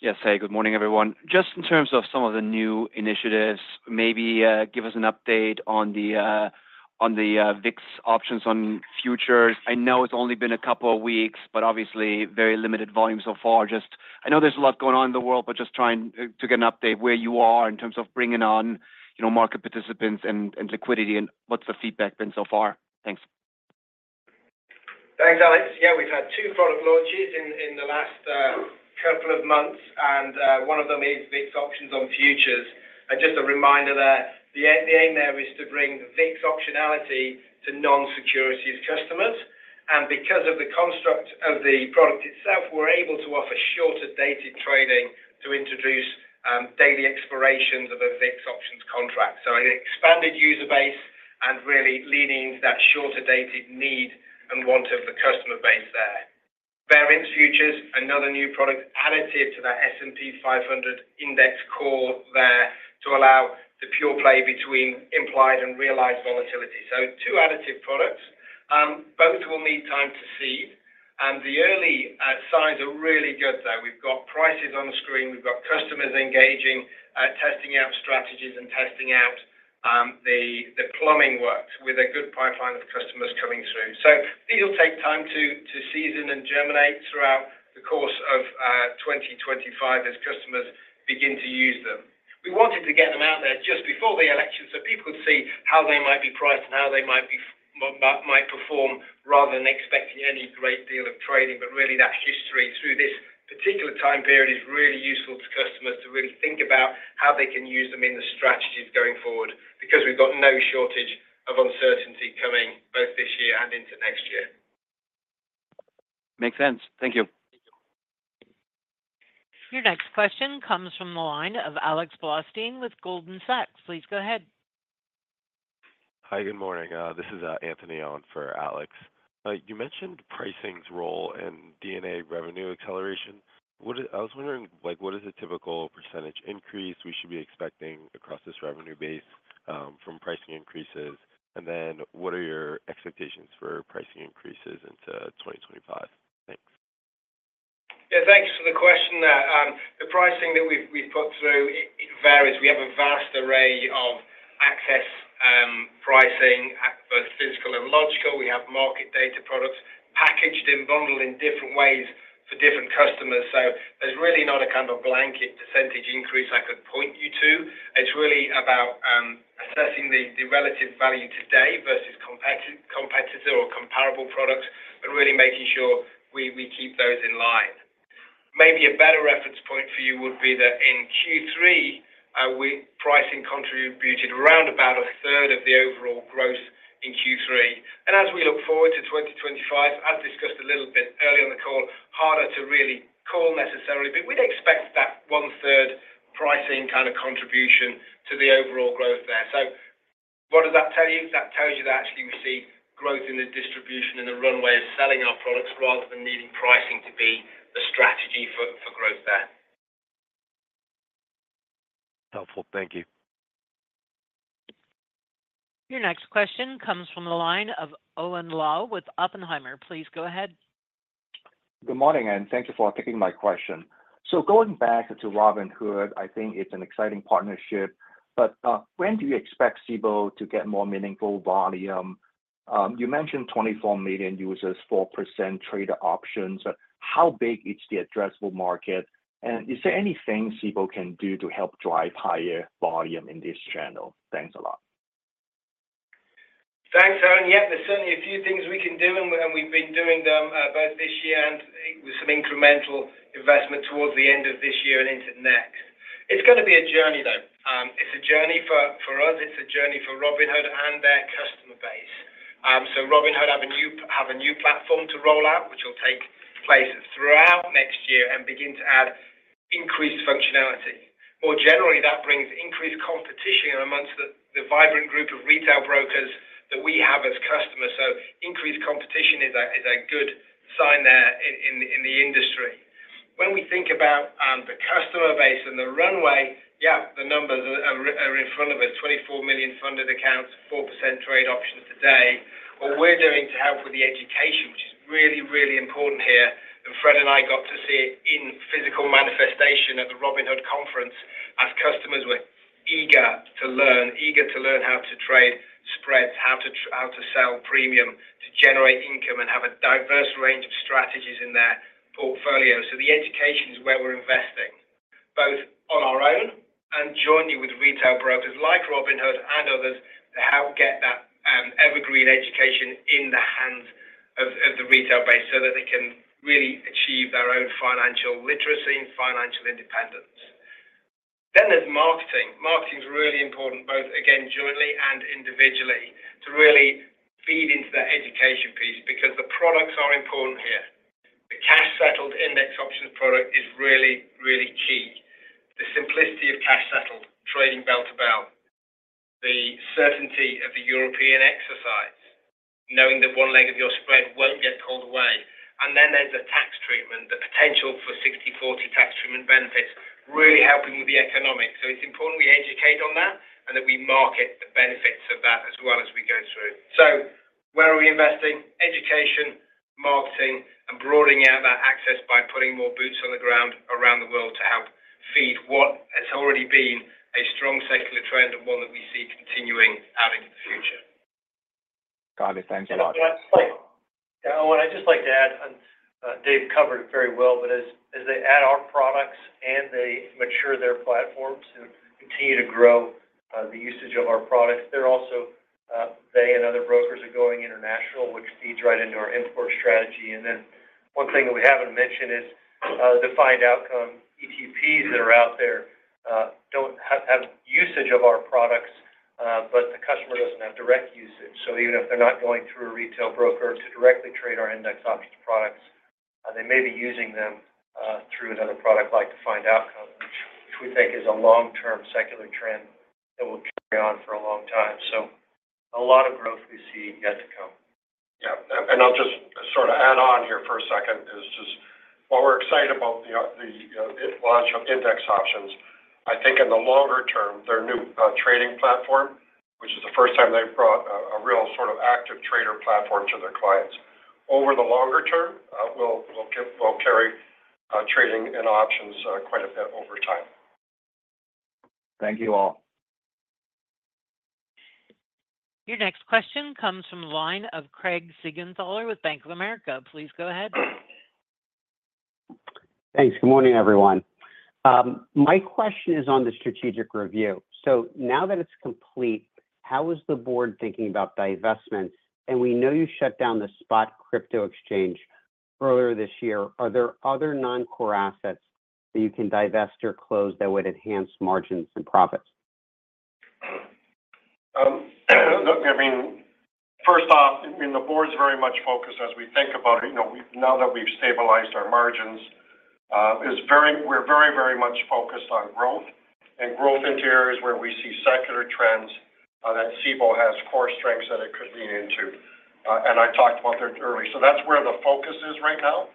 Yes, hey, good morning, everyone. Just in terms of some of the new initiatives, maybe give us an update on the VIX Options on Futures. I know it's only been a couple of weeks, but obviously very limited volume so far. I know there's a lot going on in the world, but just trying to get an update where you are in terms of bringing on market participants and liquidity and what's the feedback been so far. Thanks. Thanks, Alex. Yeah, we've had two product launches in the last couple of months, and one of them is VIX Options on Futures. And just a reminder there, the aim there is to bring VIX optionality to non-securities customers. And because of the construct of the product itself, we're able to offer shorter-dated trading to introduce daily expirations of a VIX Options contract. So an expanded user base and really leaning into that shorter-dated need and want of the customer base there. Variance Futures, another new product additive to that S&P 500 Index core there to allow the pure play between implied and realized volatility. So two additive products. Both will need time to seed. And the early signs are really good there. We've got prices on the screen. We've got customers engaging, testing out strategies and testing out the plumbing works with a good pipeline of customers coming through. So these will take time to season and germinate throughout the course of 2025 as customers begin to use them. We wanted to get them out there just before the election so people could see how they might be priced and how they might perform rather than expecting any great deal of trading. But really, that history through this particular time period is really useful to customers to really think about how they can use them in the strategies going forward because we've got no shortage of uncertainty coming both this year and into next year. Makes sense. Thank you. Your next question comes from the line of Alex Blostein with Goldman Sachs. Please go ahead. Hi, good morning. This is Anthony Ong for Alex. You mentioned pricing's role in DnA revenue acceleration. I was wondering, what is the typical percentage increase we should be expecting across this revenue base from pricing increases? And then what are your expectations for pricing increases into 2025? Thanks. Yeah, thanks for the question. The pricing that we've put through varies. We have a vast array of access pricing, both physical and logical. We have market data products packaged in bundle in different ways for different customers. So there's really not a kind of blanket percentage increase I could point you to. It's really about assessing the relative value today versus competitor or comparable products, but really making sure we keep those in line. Maybe a better reference point for you would be that in Q3, pricing contributed around about a third of the overall growth in Q3. And as we look forward to 2025, as discussed a little bit earlier on the call, harder to really call necessarily, but we'd expect that one-third pricing kind of contribution to the overall growth there. So what does that tell you? That tells you that actually we see growth in the distribution and the runway of selling our products rather than needing pricing to be the strategy for growth there. Helpful. Thank you. Your next question comes from the line of Owen Lau with Oppenheimer. Please go ahead. Good morning, and thank you for taking my question. So going back to Robinhood, I think it's an exciting partnership. But when do you expect Cboe to get more meaningful volume? You mentioned 24 million users, 4% trade options. How big is the addressable market? And is there anything Cboe can do to help drive higher volume in this channel? Thanks a lot. Thanks, Owen. Yeah, there's certainly a few things we can do, and we've been doing them both this year and with some incremental investment towards the end of this year and into next. It's going to be a journey, though. It's a journey for us. It's a journey for Robinhood and their customer base. So Robinhood have a new platform to roll out, which will take place throughout next year and begin to add increased functionality. More generally, that brings increased competition among the vibrant group of retail brokers that we have as customers. So increased competition is a good sign there in the industry. When we think about the customer base and the runway, yeah, the numbers are in front of us. 24 million funded accounts, 4% trade options today. What we're doing to help with the education, which is really, really important here, and Fred and I got to see it in physical manifestation at the Robinhood conference as customers were eager to learn, eager to learn how to trade spreads, how to sell premium to generate income and have a diverse range of strategies in their portfolio. So the education is where we're investing, both on our own and jointly with retail brokers like Robinhood and others to help get that evergreen education in the hands of the retail base so that they can really achieve their own financial literacy and financial independence. Then there's marketing. Marketing is really important, both again jointly and individually, to really feed into that education piece because the products are important here. The cash-settled index options product is really, really key. The simplicity of cash-settled, trading bell to bell, the certainty of the European-style exercise, knowing that one leg of your spread won't get pulled away. And then there's the tax treatment, the potential for 60/40 tax treatment benefits, really helping with the economics. So it's important we educate on that and that we market the benefits of that as well as we go through. So where are we investing? Education, marketing, and broadening out that access by putting more boots on the ground around the world to help feed what has already been a strong secular trend and one that we see continuing out into the future. Got it. Thanks a lot. Yeah, I would just like to add, and Dave covered it very well, but as they add our products and they mature their platforms and continue to grow the usage of our products, they're also, and other brokers are going international, which feeds right into our global strategy. And then one thing that we haven't mentioned is the Defined Outcome ETPs that are out there do have usage of our products, but the customer doesn't have direct usage. So even if they're not going through a retail broker to directly trade our index options products, they may be using them through another product like Defined Outcome, which we think is a long-term secular trend that will carry on for a long time. So a lot of growth we see yet to come. Yeah. And I'll just sort of add on here for a second is just what we're excited about the launch of index options. I think in the longer term, their new trading platform, which is the first time they've brought a real sort of active trader platform to their clients. Over the longer term, we'll carry trading and options quite a bit over time. Thank you all. Your next question comes from the line of Craig Siegenthaler with Bank of America. Please go ahead. Thanks. Good morning, everyone. My question is on the strategic review. So now that it's complete, how is the board thinking about divestment? And we know you shut down the spot crypto exchange earlier this year. Are there other non-core assets that you can divest or close that would enhance margins and profits? Look, I mean, first off, the board's very much focused as we think about it. Now that we've stabilized our margins, we're very, very much focused on growth and growth into areas where we see secular trends that Cboe has core strengths that it could lean into. And I talked about that earlier. So that's where the focus is right now.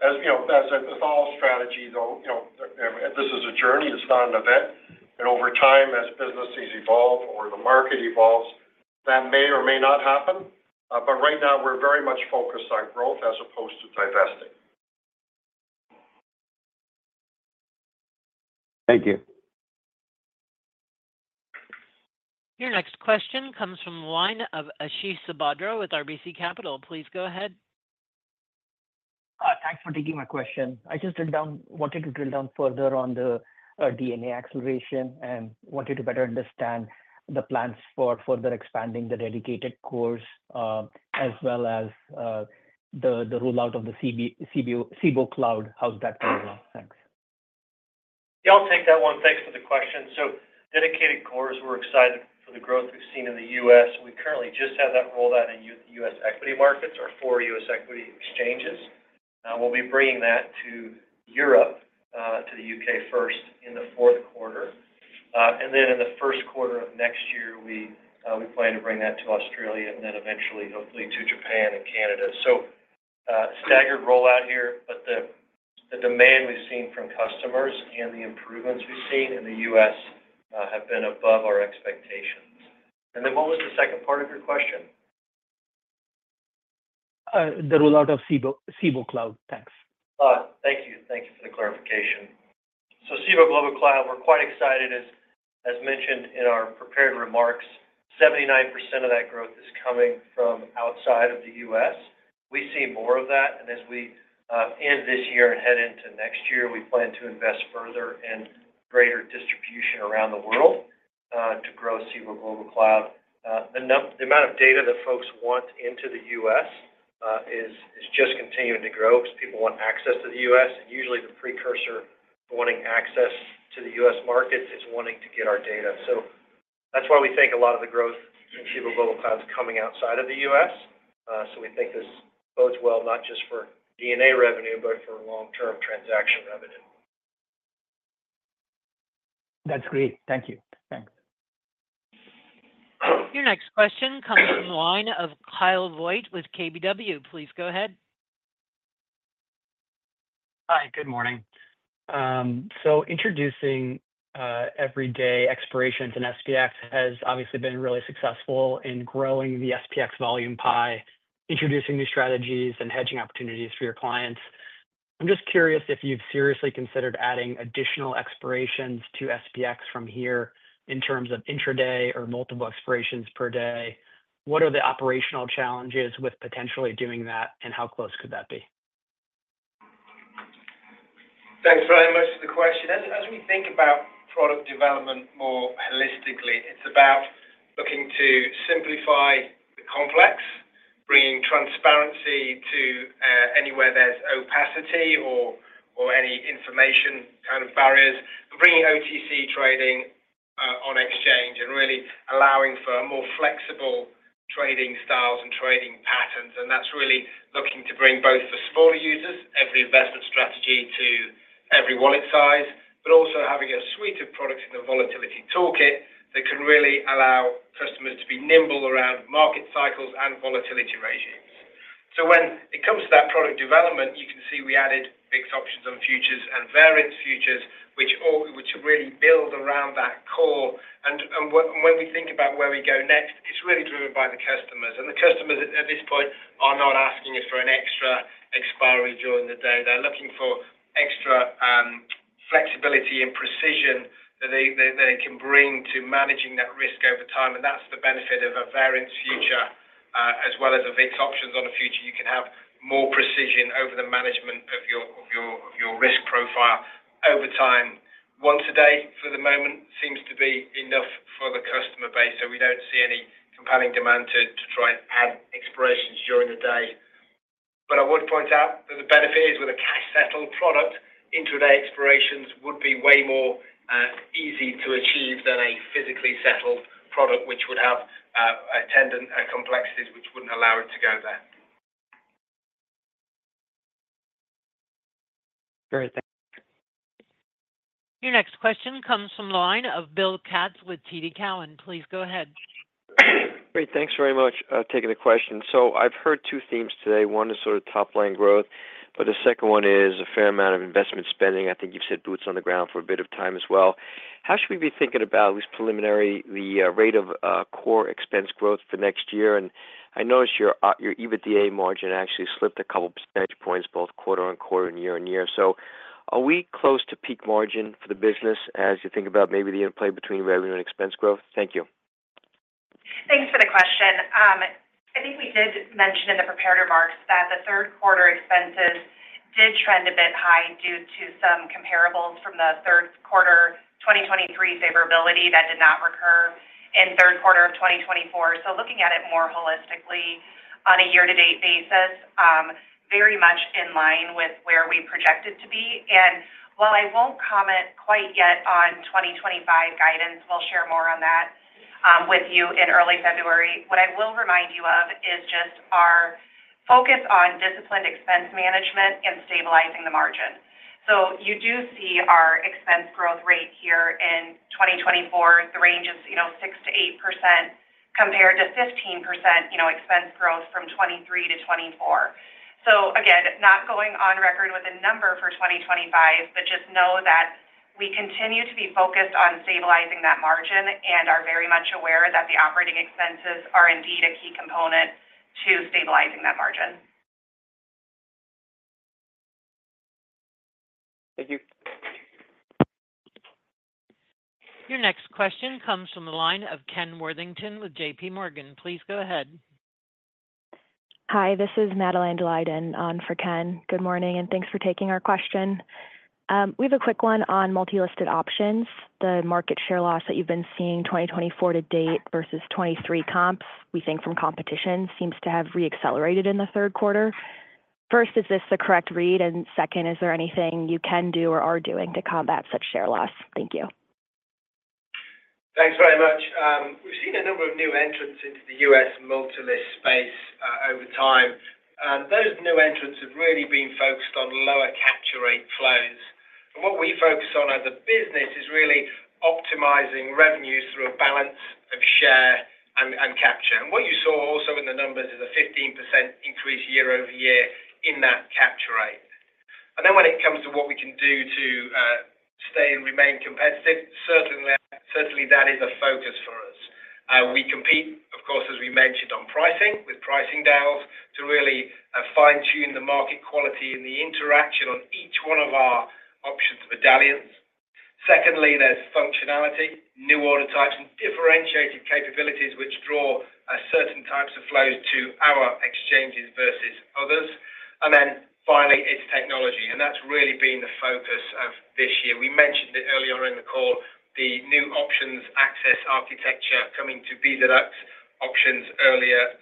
As with all strategy, though, this is a journey. It's not an event. And over time, as businesses evolve or the market evolves, that may or may not happen. But right now, we're very much focused on growth as opposed to divesting. Thank you. Your next question comes from the line of Ashish Sabadra with RBC Capital Markets. Please go ahead. Thanks for taking my question. I just wanted to drill down further on the DnA acceleration and wanted to better understand the plans for further expanding the dedicated cores as well as the rollout of the Cboe Cloud. How's that going along? Thanks. Yeah, I'll take that one. Thanks for the question, so Dedicated Cores, we're excited for the growth we've seen in the U.S. We currently just had that rolled out in U.S. equity markets or four U.S. equity exchanges. We'll be bringing that to Europe, to the U.K. first in the fourth quarter, and then in the first quarter of next year, we plan to bring that to Australia and then eventually, hopefully, to Japan and Canada, so staggered rollout here, but the demand we've seen from customers and the improvements we've seen in the U.S. have been above our expectations, and then what was the second part of your question? The rollout of Cboe Cloud. Thanks. Thank you. Thank you for the clarification. So Cboe Global Cloud, we're quite excited, as mentioned in our prepared remarks, 79% of that growth is coming from outside of the U.S. We see more of that. And as we end this year and head into next year, we plan to invest further in greater distribution around the world to grow Cboe Global Cloud. The amount of data that folks want into the U.S. is just continuing to grow because people want access to the U.S. And usually, the precursor to wanting access to the U.S. markets is wanting to get our data. So that's why we think a lot of the growth in Cboe Global Cloud is coming outside of the U.S. So we think this bodes well not just for DnA revenue, but for long-term transaction revenue. That's great. Thank you. Thanks. Your next question comes from the line of Kyle Voigt with KBW. Please go ahead. Hi, good morning. So introducing everyday expirations in SPX has obviously been really successful in growing the SPX volume pie, introducing new strategies and hedging opportunities for your clients. I'm just curious if you've seriously considered adding additional expirations to SPX from here in terms of intraday or multiple expirations per day. What are the operational challenges with potentially doing that, and how close could that be? Thanks very much for the question. As we think about product development more holistically, it's about looking to simplify the complex, bringing transparency to anywhere there's opacity or any information kind of barriers, and bringing OTC trading on exchange and really allowing for more flexible trading styles and trading patterns. And that's really looking to bring both the smaller users, every investment strategy to every wallet size, but also having a suite of products in the volatility toolkit that can really allow customers to be nimble around market cycles and volatility regimes. So when it comes to that product development, you can see we added VIX Options on Futures and variance futures, which really build around that core. And when we think about where we go next, it's really driven by the customers. And the customers at this point are not asking us for an extra expiry during the day. They're looking for extra flexibility and precision that they can bring to managing that risk over time, and that's the benefit of a variance future as well as VIX options on a future. You can have more precision over the management of your risk profile over time. Once a day for the moment seems to be enough for the customer base, so we don't see any compelling demand to try and add expirations during the day, but I would point out that the benefit is with a cash-settled product, intraday expirations would be way more easy to achieve than a physically settled product, which would have a complexity which wouldn't allow it to go there. Great. Thanks. Your next question comes from the line of Bill Katz with TD Cowen. Please go ahead. Great. Thanks very much for taking the question. So I've heard two themes today. One is sort of top-line growth, but the second one is a fair amount of investment spending. I think you've said boots on the ground for a bit of time as well. How should we be thinking about, at least preliminary, the rate of core expense growth for next year? And I noticed your EBITDA margin actually slipped a couple of percentage points, both quarter on quarter and year on year. So are we close to peak margin for the business as you think about maybe the interplay between revenue and expense growth? Thank you. Thanks for the question. I think we did mention in the prepared remarks that the third quarter expenses did trend a bit high due to some comparables from the third quarter 2023 favorability that did not recur in third quarter of 2024, so looking at it more holistically on a year-to-date basis, very much in line with where we projected to be, and while I won't comment quite yet on 2025 guidance, we'll share more on that with you in early February. What I will remind you of is just our focus on disciplined expense management and stabilizing the margin, so you do see our expense growth rate here in 2024. The range is 6-8% compared to 15% expense growth from 2023 to 2024. So again, not going on record with a number for 2025, but just know that we continue to be focused on stabilizing that margin and are very much aware that the operating expenses are indeed a key component to stabilizing that margin. Thank you. Your next question comes from the line of Ken Worthington with JPMorgan. Please go ahead. Hi, this is Madeline Daleiden on for Ken. Good morning, and thanks for taking our question. We have a quick one on multi-listed options. The market share loss that you've been seeing 2024 to date versus 2023 comps, we think from competition, seems to have re-accelerated in the third quarter. First, is this the correct read? And second, is there anything you can do or are doing to combat such share loss? Thank you. Thanks very much. We've seen a number of new entrants into the U.S. multi-list space over time. Those new entrants have really been focused on lower capture rate flows. And what we focus on as a business is really optimizing revenues through a balance of share and capture. And what you saw also in the numbers is a 15% increase year-over-year in that capture rate. And then when it comes to what we can do to stay and remain competitive, certainly that is a focus for us. We compete, of course, as we mentioned, on pricing with pricing dials to really fine-tune the market quality and the interaction on each one of our options medallions. Secondly, there's functionality, new order types, and differentiated capabilities which draw certain types of flows to our exchanges versus others. And then finally, it's technology. That's really been the focus of this year. We mentioned it earlier in the call, the new options access architecture coming to EDGX Options earlier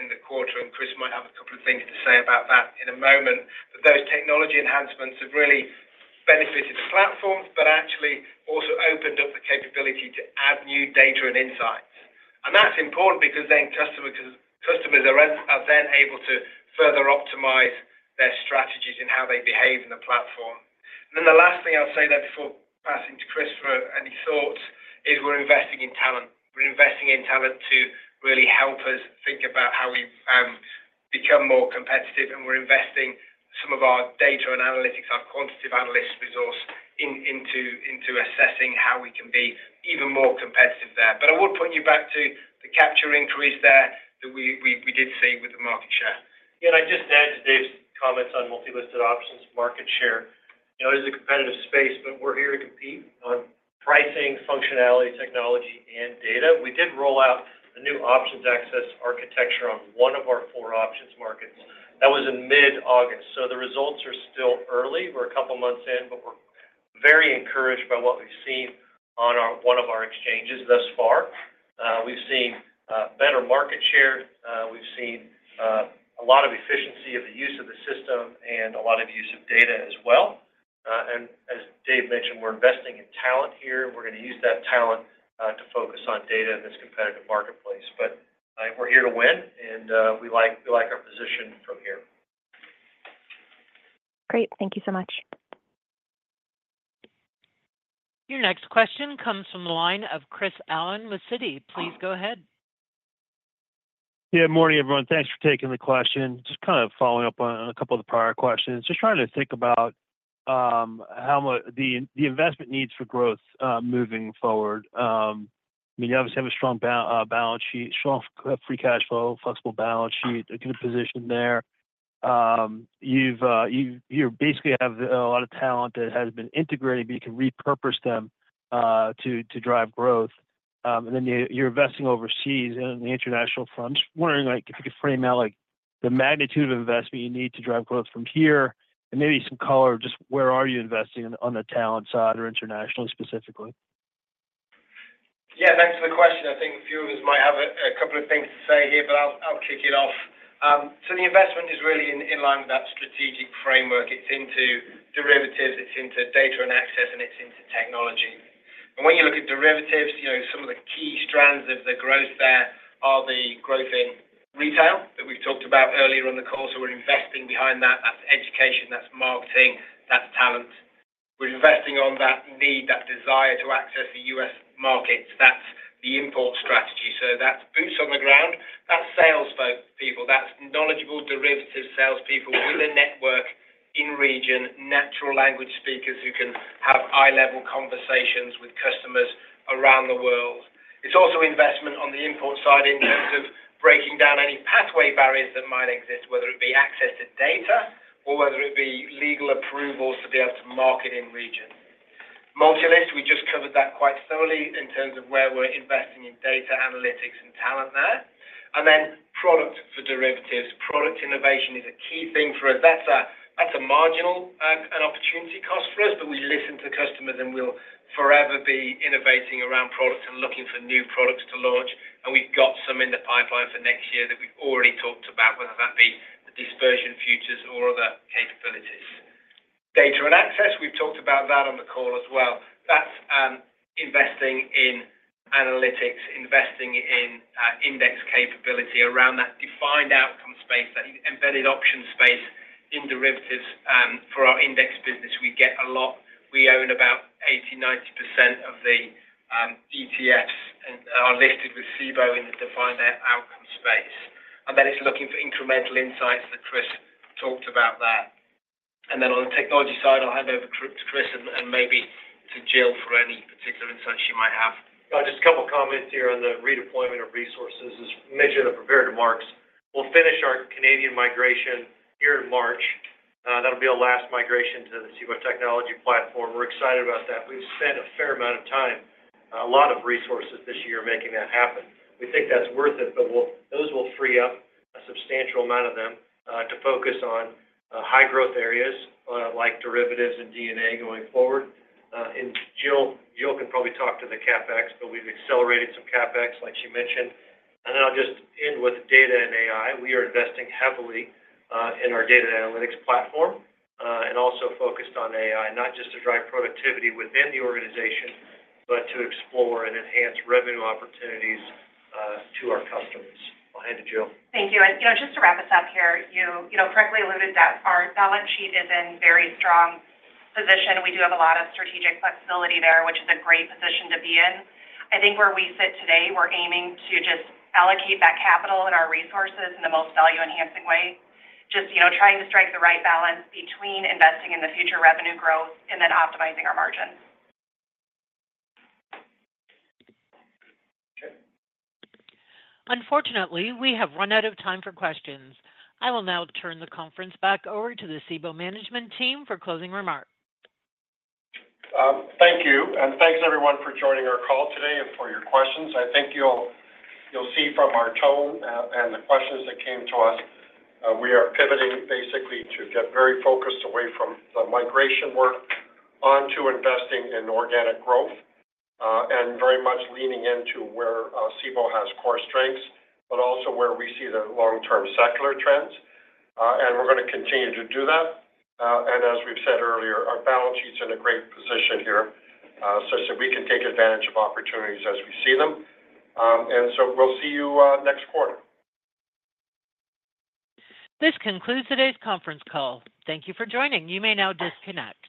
in the quarter. Chris might have a couple of things to say about that in a moment. Those technology enhancements have really benefited the platform, but actually also opened up the capability to add new data and insights. That's important because then customers are then able to further optimize their strategies and how they behave in the platform. Then the last thing I'll say there before passing to Chris for any thoughts is we're investing in talent. We're investing in talent to really help us think about how we become more competitive. We're investing some of our data and analytics, our quantitative analyst resource into assessing how we can be even more competitive there. But I would point you back to the capture increase there that we did see with the market share. Yeah. And I just add to Dave's comments on multi-listed options market share. It is a competitive space, but we're here to compete on pricing, functionality, technology, and data. We did roll out a new options access architecture on one of our four options markets. That was in mid-August. So the results are still early. We're a couple of months in, but we're very encouraged by what we've seen on one of our exchanges thus far. We've seen better market share. We've seen a lot of efficiency of the use of the system and a lot of use of data as well. And as Dave mentioned, we're investing in talent here. We're going to use that talent to focus on data in this competitive marketplace. But we're here to win, and we like our position from here. Great. Thank you so much. Your next question comes from the line of Chris Allen with Citi. Please go ahead. Yeah. Morning, everyone. Thanks for taking the question. Just kind of following up on a couple of the prior questions. Just trying to think about the investment needs for growth moving forward. I mean, you obviously have a strong balance sheet, strong free cash flow, flexible balance sheet, good position there. You basically have a lot of talent that has been integrated, but you can repurpose them to drive growth. And then you're investing overseas in the international funds. Just wondering if you could frame out the magnitude of investment you need to drive growth from here and maybe some color of just where are you investing on the talent side or internationally specifically? Yeah. Thanks for the question. I think a few of us might have a couple of things to say here, but I'll kick it off. The investment is really in line with that strategic framework. It's into Derivatives. It's into data and access, and it's into technology. When you look at Derivatives, some of the key strands of the growth there are the growth in retail that we've talked about earlier on the call. We're investing behind that. That's education. That's marketing. That's talent. We're investing on that need, that desire to access the U.S. markets. That's the inbound strategy. That's boots on the ground. That's salespeople. That's knowledgeable Derivatives salespeople with a network in the region, natural language speakers who can have high-level conversations with customers around the world. It's also investment on the import side in terms of breaking down any pathway barriers that might exist, whether it be access to data or whether it be legal approvals to be able to market in region. Multi-listed, we just covered that quite thoroughly in terms of where we're investing in data analytics and talent there. And then product for Derivatives. Product innovation is a key thing for us. That's a marginal and opportunity cost for us, but we listen to customers, and we'll forever be innovating around products and looking for new products to launch. And we've got some in the pipeline for next year that we've already talked about, whether that be the Dispersion Futures or other capabilities. Data and access, we've talked about that on the call as well. That's investing in analytics, investing in index capability around that Defined Outcome space, that embedded option space in Derivatives for our index business. We get a lot. We own about 80%-90% of the ETFs that are listed with Cboe in the Defined Outcome space. And then it's looking for incremental insights that Chris talked about there. And then on the technology side, I'll hand over to Chris and maybe to Jill for any particular insights she might have. Just a couple of comments here on the redeployment of resources. As mentioned in the prepared remarks, we'll finish our Canadian migration here in March. That'll be our last migration to the Cboe technology platform. We're excited about that. We've spent a fair amount of time, a lot of resources this year making that happen. We think that's worth it, but those will free up a substantial amount of them to focus on high-growth areas like Derivatives and DnA going forward, and Jill can probably talk to the CapEx, but we've accelerated some CapEx, like she mentioned, and then I'll just end with data and AI. We are investing heavily in our data analytics platform and also focused on AI, not just to drive productivity within the organization, but to explore and enhance revenue opportunities to our customers. I'll hand it to Jill. Thank you, and just to wrap us up here, you correctly alluded that our balance sheet is in very strong position. We do have a lot of strategic flexibility there, which is a great position to be in. I think where we sit today, we're aiming to just allocate that capital and our resources in the most value-enhancing way, just trying to strike the right balance between investing in the future revenue growth and then optimizing our margins. Unfortunately, we have run out of time for questions. I will now turn the conference back over to the Cboe management team for closing remarks. Thank you. And thanks, everyone, for joining our call today and for your questions. I think you'll see from our tone and the questions that came to us, we are pivoting basically to get very focused away from the migration work onto investing in organic growth and very much leaning into where Cboe has core strengths, but also where we see the long-term secular trends. And we're going to continue to do that. And as we've said earlier, our balance sheet's in a great position here such that we can take advantage of opportunities as we see them. And so we'll see you next quarter. This concludes today's conference call. Thank you for joining. You may now disconnect.